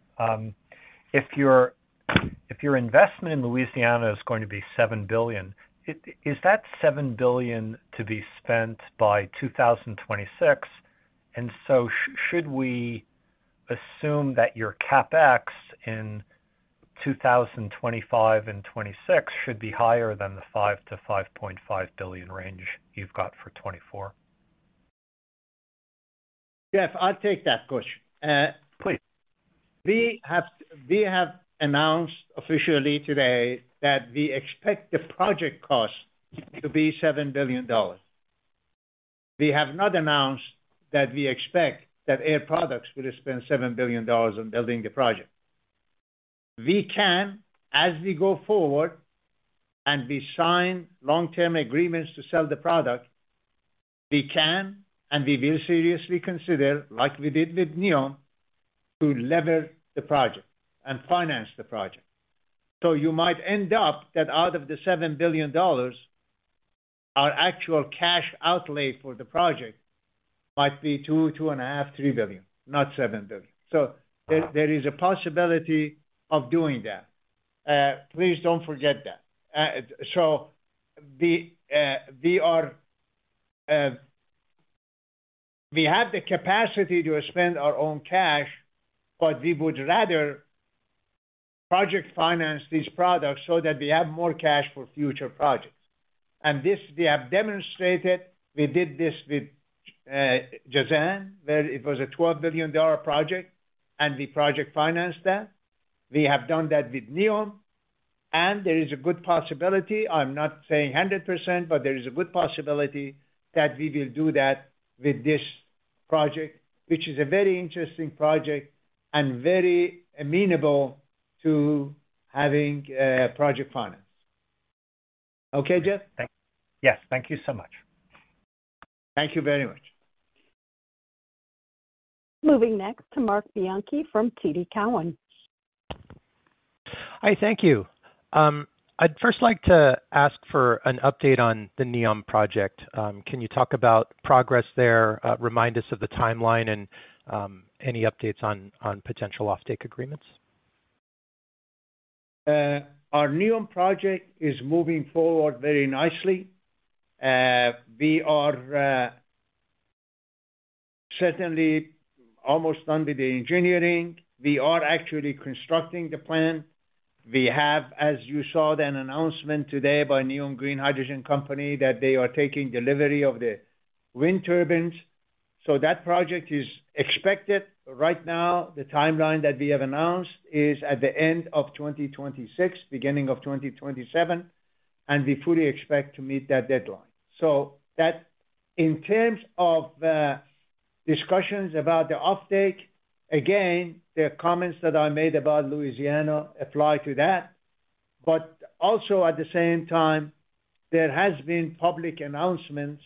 if your investment in Louisiana is going to be $7 billion, is that $7 billion to be spent by 2026? And so should we assume that your CapEx in 2025 and 2026 should be higher than the $5-$5.5 billion range you've got for 2024? Jeff, I'll take that question. Please. We have, we have announced officially today that we expect the project cost to be $7 billion. We have not announced that we expect that Air Products will spend $7 billion on building the project. We can, as we go forward and we sign long-term agreements to sell the product, we can and we will seriously consider, like we did with NEOM, to leverage the project and finance the project. So you might end up that out of the $7 billion, our actual cash outlay for the project might be $2 billion, $2.5 billion, $3 billion, not $7 billion. So there, there is a possibility of doing that. Please don't forget that. So we, we are, we have the capacity to spend our own cash, but we would rather project finance these products so that we have more cash for future projects. And this we have demonstrated. We did this with Jazan, where it was a $12 billion project, and we project financed that. We have done that with NEOM, and there is a good possibility, I'm not saying 100%, but there is a good possibility that we will do that with this project, which is a very interesting project and very amenable to having project finance. Okay, Jeff? Thank you. Yes, thank you so much. Thank you very much. Moving next to Marc Bianchi from TD Cowen. Hi, thank you. I'd first like to ask for an update on the NEOM project. Can you talk about progress there? Remind us of the timeline and any updates on potential offtake agreements. Our NEOM project is moving forward very nicely. We are certainly almost done with the engineering. We are actually constructing the plant. We have, as you saw, an announcement today by NEOM Green Hydrogen Company, that they are taking delivery of the wind turbines. So that project is expected. Right now, the timeline that we have announced is at the end of 2026, beginning of 2027, and we fully expect to meet that deadline. So that in terms of discussions about the offtake, again, the comments that I made about Louisiana apply to that. But also at the same time, there has been public announcements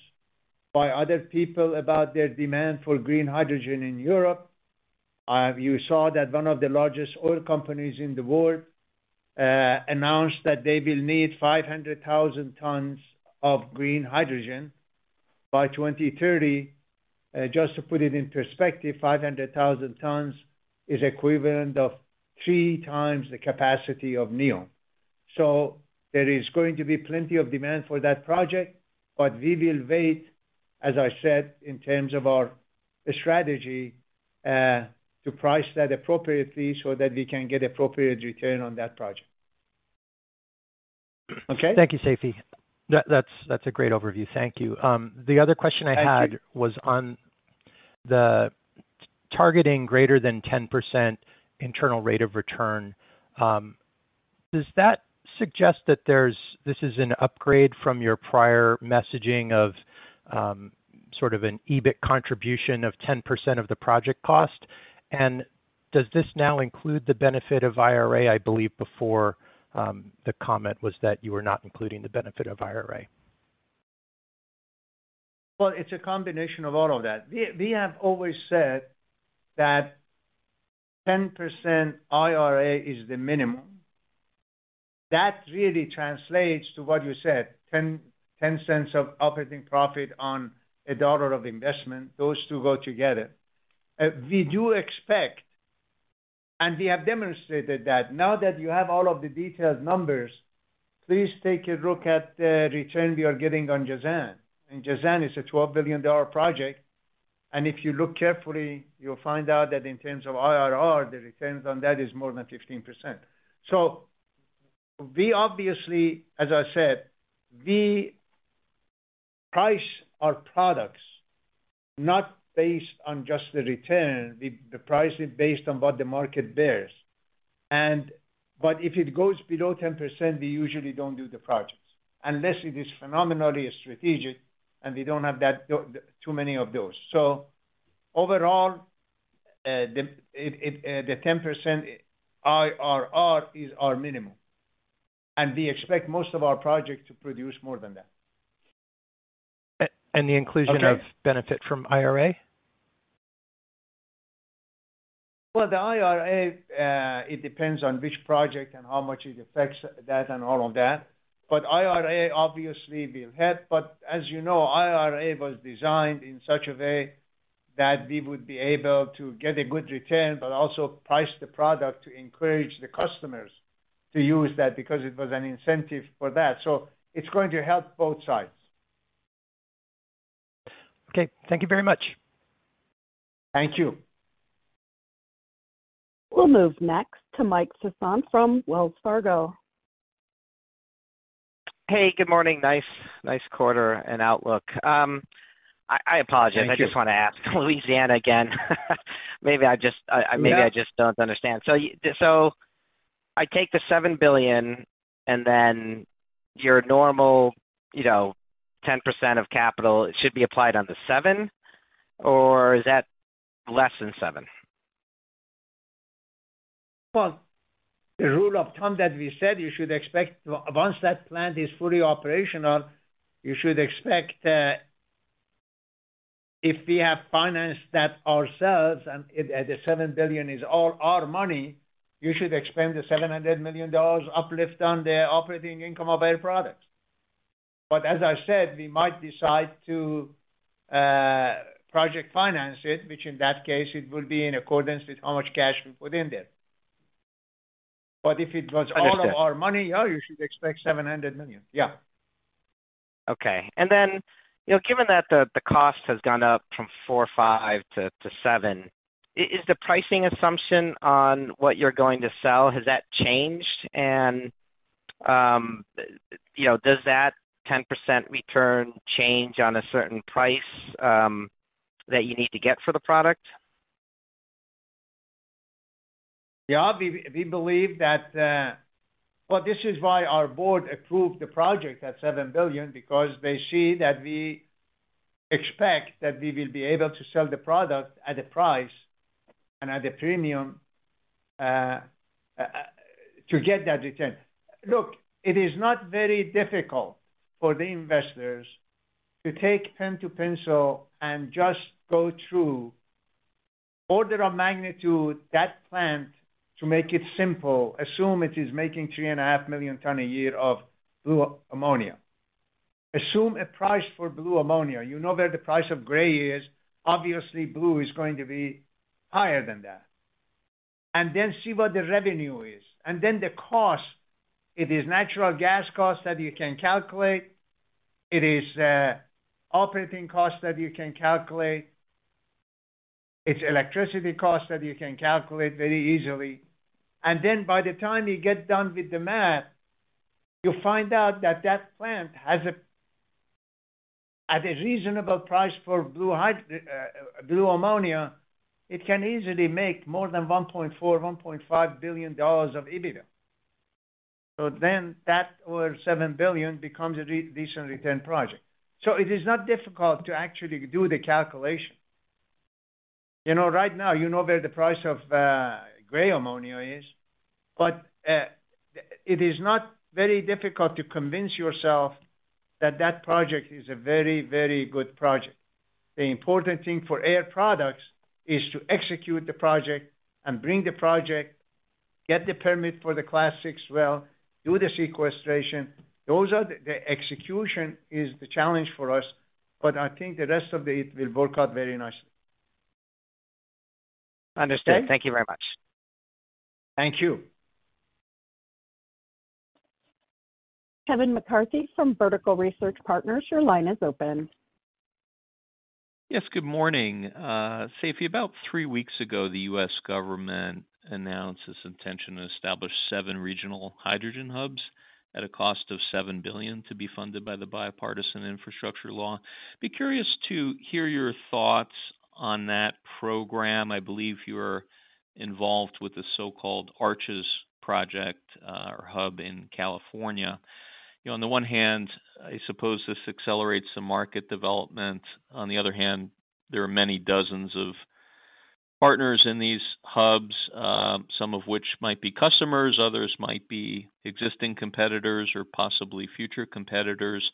by other people about their demand for green hydrogen in Europe. You saw that one of the largest oil companies in the world announced that they will need 500,000 tons of green hydrogen by 2030. Just to put it in perspective, 500,000 tons is equivalent of 3 times the capacity of NEOM. So there is going to be plenty of demand for that project, but we will wait, as I said, in terms of our strategy, to price that appropriately so that we can get appropriate return on that project. Okay? Thank you, Seifi. That's a great overview. Thank you. The other question I had Thank you. -was on the targeting greater than 10% internal rate of return. Does that suggest that there's... This is an upgrade from your prior messaging of, sort of an EBIT contribution of 10% of the project cost? And does this now include the benefit of IRA? I believe before, the comment was that you were not including the benefit of IRA. Well, it's a combination of all of that. We, we have always said that 10% IRA is the minimum. That really translates to what you said, 10, 10 cents of operating profit on a dollar of investment. Those two go together. We do expect, and we have demonstrated that. Now that you have all of the detailed numbers, please take a look at the return we are getting on Jazan. And Jazan is a $12 billion project, and if you look carefully, you'll find out that in terms of IRR, the returns on that is more than 15%. So we obviously, as I said, we price our products not based on just the return, we, we price it based on what the market bears. But if it goes below 10%, we usually don't do the projects, unless it is phenomenally strategic and we don't have that too many of those. So overall, the 10% IRR is our minimum, and we expect most of our projects to produce more than that. And the inclusion of- Okay. Benefit from IRA? Well, the IRA, it depends on which project and how much it affects that and all of that. But IRA, obviously will help, but as you know, IRA was designed in such a way that we would be able to get a good return, but also price the product to encourage the customers to use that, because it was an incentive for that. So it's going to help both sides. Okay, thank you very much. Thank you. We'll move next to Mike Sison from Wells Fargo. Hey, good morning. Nice, nice quarter and outlook. I apologize- Thank you. I just want to ask Louisiana again. Maybe I just don't understand. So I take the $7 billion and then your normal, you know, 10% of capital should be applied on the $7 billion, or is that less than $7 billion? Well, the rule of thumb that we said, you should expect. Once that plant is fully operational, you should expect, if we have financed that ourselves and it, the $7 billion is all our money, you should expect the $700 million uplift on the operating income of our products. But as I said, we might decide to, project finance it, which in that case, it will be in accordance with how much cash we put in there. But if it was all of our money- I understand. you should expect $700 million. Yeah. Okay. And then, you know, given that the cost has gone up from $4.5 to $7, is the pricing assumption on what you're going to sell, has that changed? And, you know, does that 10% return change on a certain price that you need to get for the product? Yeah. We believe that. Well, this is why our board approved the project at $7 billion, because they see that we expect that we will be able to sell the product at a price and at a premium to get that return. Look, it is not very difficult for the investors to take pen to pencil and just go through order of magnitude, that plant, to make it simple, assume it is making 3.5 million tons a year of blue ammonia. Assume a price for blue ammonia. You know where the price of gray is. Obviously, blue is going to be higher than that. And then see what the revenue is, and then the cost. It is natural gas costs that you can calculate. It is operating costs that you can calculate. It's electricity costs that you can calculate very easily. And then by the time you get done with the math, you find out that that plant has a at a reasonable price for blue ammonia, it can easily make more than $1.4-1.5 billion of EBITDA. So then that over $7 billion becomes a decent return project. So it is not difficult to actually do the calculation. You know, right now, you know where the price of gray ammonia is, but it is not very difficult to convince yourself that that project is a very, very good project. The important thing for Air Products is to execute the project and bring the project, get the permit for the Class VI well, do the sequestration. Those are the. The execution is the challenge for us, but I think the rest of it will work out very nicely. Understand. Okay? Thank you very much. Thank you. Kevin McCarthy from Vertical Research Partners, your line is open. Yes, good morning. Seifi, about three weeks ago, the U.S. government announced its intention to establish 7 regional hydrogen hubs at a cost of $7 billion to be funded by the Bipartisan Infrastructure Law. Be curious to hear your thoughts on that program. I believe you're involved with the so-called ARCHES project, or hub in California. You know, on the one hand, I suppose this accelerates the market development. On the other hand, there are many dozens of partners in these hubs, some of which might be customers, others might be existing competitors or possibly future competitors.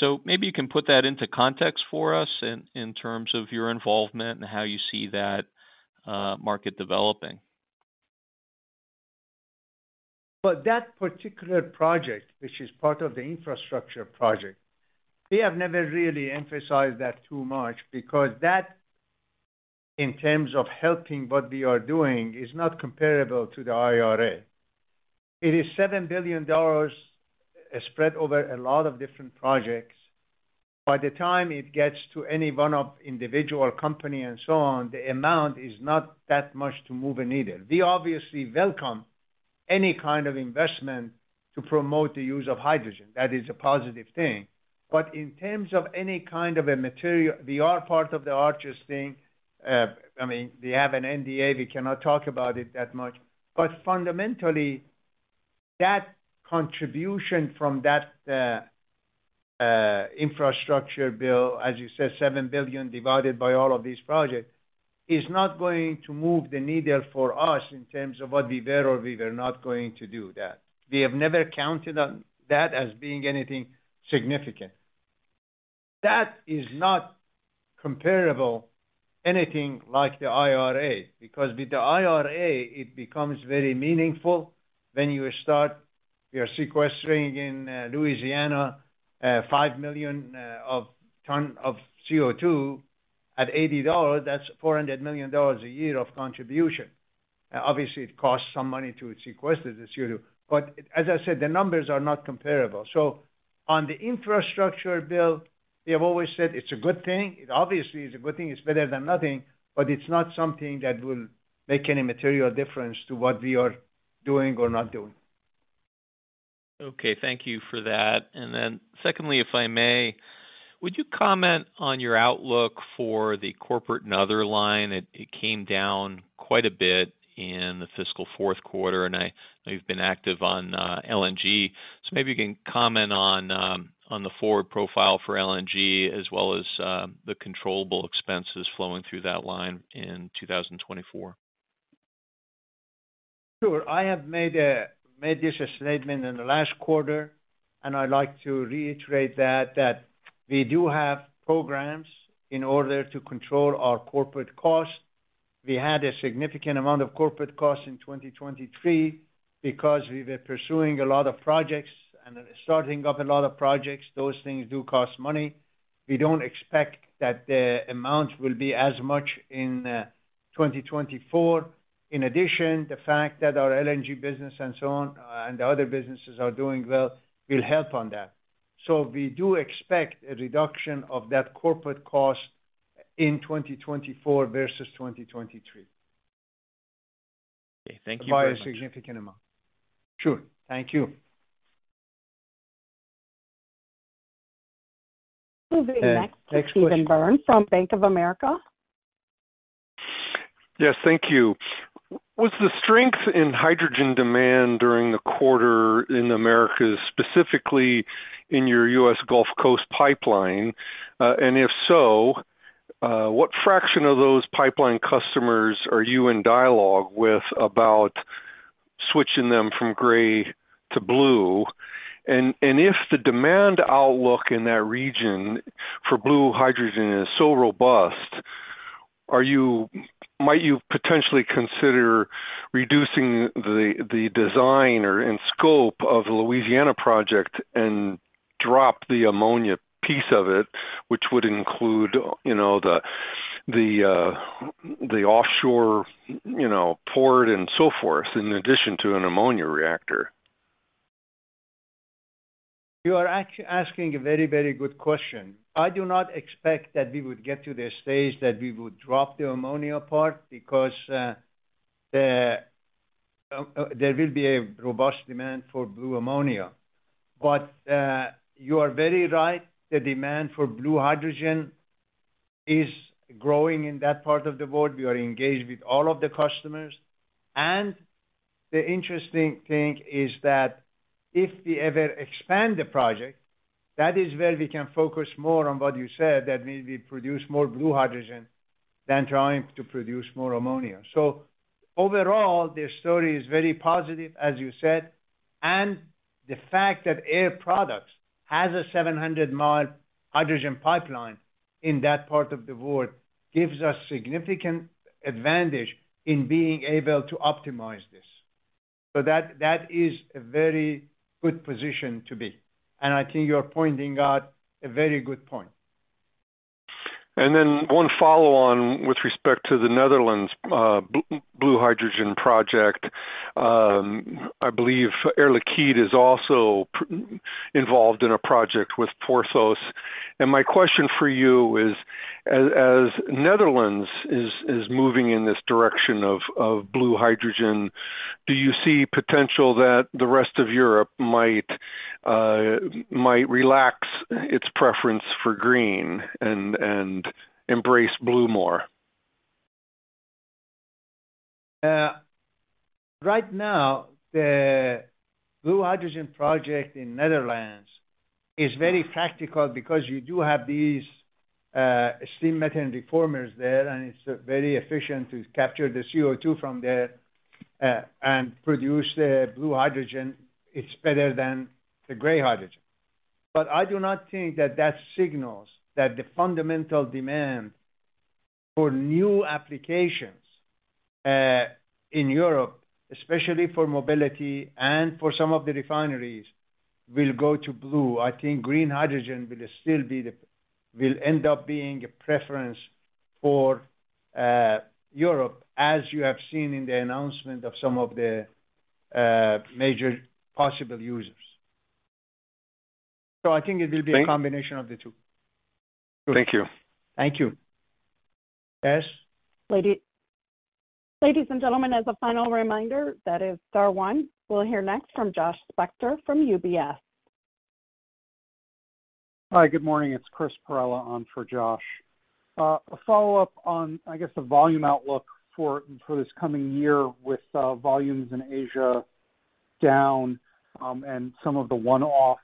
So maybe you can put that into context for us in terms of your involvement and how you see that, market developing. But that particular project, which is part of the infrastructure project, we have never really emphasized that too much because that, in terms of helping what we are doing, is not comparable to the IRA. It is $7 billion spread over a lot of different projects. By the time it gets to any one of individual company and so on, the amount is not that much to move a needle. We obviously welcome any kind of investment to promote the use of hydrogen. That is a positive thing. But in terms of any kind of a material, we are part of the Arches thing. I mean, we have an NDA, we cannot talk about it that much. But fundamentally, that contribution from that, infrastructure bill, as you said, $7 billion divided by all of these projects, is not going to move the needle for us in terms of what we were or we were not going to do that. We have never counted on that as being anything significant. That is not comparable, anything like the IRA, because with the IRA, it becomes very meaningful. When you start, you're sequestering in, Louisiana, 5 million tons of CO2 at $80, that's $400 million a year of contribution. Obviously, it costs some money to sequester the CO2, but as I said, the numbers are not comparable. So on the infrastructure bill, we have always said it's a good thing. It obviously is a good thing. It's better than nothing, but it's not something that will make any material difference to what we are doing or not doing. Okay, thank you for that. Then secondly, if I may, would you comment on your outlook for the corporate and other line? It came down quite a bit in the fiscal fourth quarter, and I know you've been active on LNG. So maybe you can comment on the forward profile for LNG, as well as the controllable expenses flowing through that line in 2024. Sure. I have made this a statement in the last quarter, and I'd like to reiterate that we do have programs in order to control our corporate costs. We had a significant amount of corporate costs in 2023 because we were pursuing a lot of projects and starting up a lot of projects. Those things do cost money. We don't expect that the amount will be as much in 2024. In addition, the fact that our LNG business and so on, and the other businesses are doing well, will help on that. So we do expect a reduction of that corporate cost in 2024 versus 2023. Okay. Thank you very much. By a significant amount. Sure. Thank you. Next, Steven Byrne from Bank of America. Yes, thank you. Was the strength in hydrogen demand during the quarter in Americas, specifically in your U.S. Gulf Coast pipeline? And if so, what fraction of those pipeline customers are you in dialogue with about switching them from gray to blue? And if the demand outlook in that region for blue hydrogen is so robust, might you potentially consider reducing the design or scope of the Louisiana project and drop the ammonia piece of it, which would include, you know, the offshore port and so forth, in addition to an ammonia reactor? You are asking a very, very good question. I do not expect that we would get to the stage that we would drop the ammonia part, because there will be a robust demand for blue ammonia. But, you are very right, the demand for blue hydrogen is growing in that part of the world. We are engaged with all of the customers, and the interesting thing is that if we ever expand the project, that is where we can focus more on what you said, that maybe we produce more blue hydrogen than trying to produce more ammonia. So overall, the story is very positive, as you said, and the fact that Air Products has a 700-mile hydrogen pipeline in that part of the world gives us significant advantage in being able to optimize this. So that is a very good position to be, and I think you're pointing out a very good point. Then one follow-on with respect to the Netherlands, blue hydrogen project. I believe Air Liquide is also involved in a project with Porthos, and my question for you is, as Netherlands is moving in this direction of blue hydrogen, do you see potential that the rest of Europe might relax its preference for green and embrace blue more? Right now, the blue hydrogen project in Netherlands is very practical because you do have these steam methane reformers there, and it's very efficient to capture the CO2 from there and produce the blue hydrogen. It's better than the gray hydrogen. But I do not think that that signals that the fundamental demand for new applications in Europe, especially for mobility and for some of the refineries, will go to blue. I think green hydrogen will still be the... will end up being a preference for Europe, as you have seen in the announcement of some of the major possible users. So I think it will be a combination of the two. Thank you. Thank you. Yes? Ladies and gentlemen, as a final reminder, that is star one. We'll hear next from Josh Spector from UBS. Hi, good morning. It's Chris Perrella on for Josh. A follow-up on, I guess, the volume outlook for this coming year with volumes in Asia down, and some of the one-off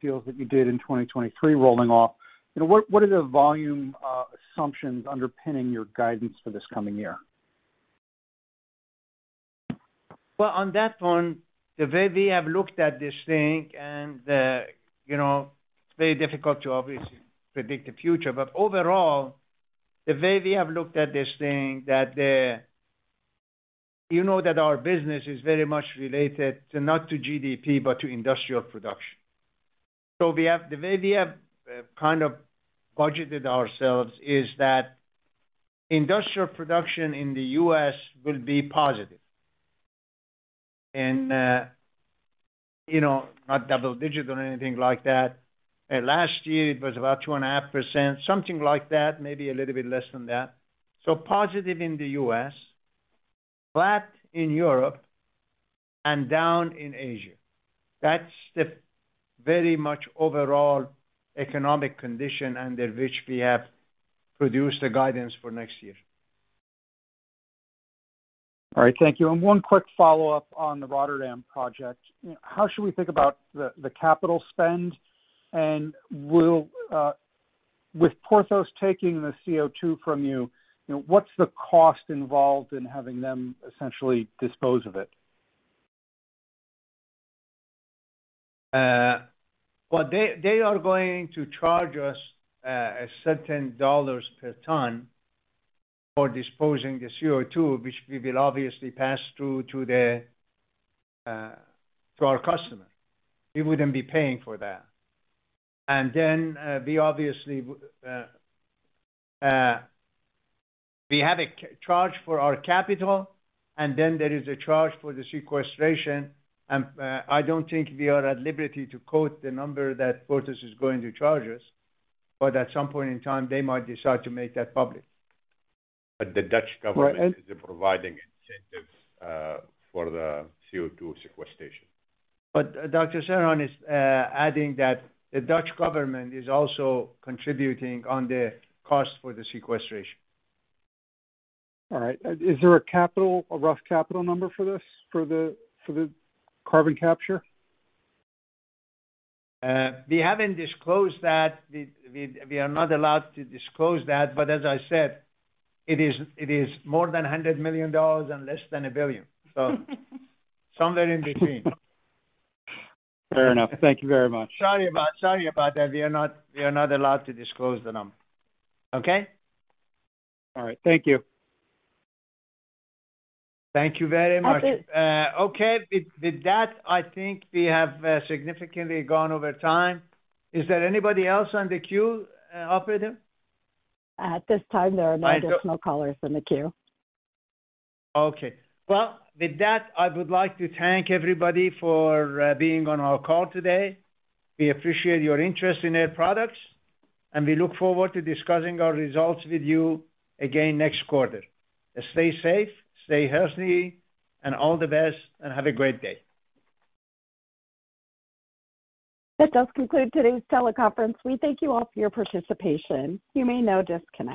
deals that you did in 2023 rolling off. You know, what are the volume assumptions underpinning your guidance for this coming year? Well, on that one, the way we have looked at this thing and, you know, it's very difficult to obviously predict the future, but overall, the way we have looked at this thing. You know, that our business is very much related to not to GDP, but to industrial production. So we have, the way we have, kind of budgeted ourselves is that industrial production in the U.S. will be positive. And, you know, not double-digit or anything like that. Last year it was about 2.5%, something like that, maybe a little bit less than that. So positive in the U.S., flat in Europe, and down in Asia. That's the very much overall economic condition under which we have produced the guidance for next year. All right, thank you. And one quick follow-up on the Rotterdam project. How should we think about the capital spend? And will, with Porthos taking the CO2 from you, you know, what's the cost involved in having them essentially dispose of it? Well, they are going to charge us a certain $ per ton for disposing the CO2, which we will obviously pass through to our customer. We wouldn't be paying for that. And then, we obviously have a charge for our capital, and then there is a charge for the sequestration. And, I don't think we are at liberty to quote the number that Porthos is going to charge us, but at some point in time, they might decide to make that public. But the Dutch government is providing incentives for the CO₂ sequestration. But Dr. Serhan is adding that the Dutch government is also contributing on the cost for the sequestration. All right. Is there a capital, a rough capital number for this, for the carbon capture? We haven't disclosed that. We are not allowed to disclose that, but as I said, it is more than $100 million and less than $1 billion. So somewhere in between. Fair enough. Thank you very much. Sorry about that. We are not allowed to disclose the number. Okay? All right. Thank you. Thank you very much. Okay. Okay, with that, I think we have significantly gone over time. Is there anybody else on the queue, operator? At this time, there are no additional callers in the queue. Okay. Well, with that, I would like to thank everybody for being on our call today. We appreciate your interest in Air Products, and we look forward to discussing our results with you again next quarter. Stay safe, stay healthy, and all the best, and have a great day. This does conclude today's teleconference. We thank you all for your participation. You may now disconnect.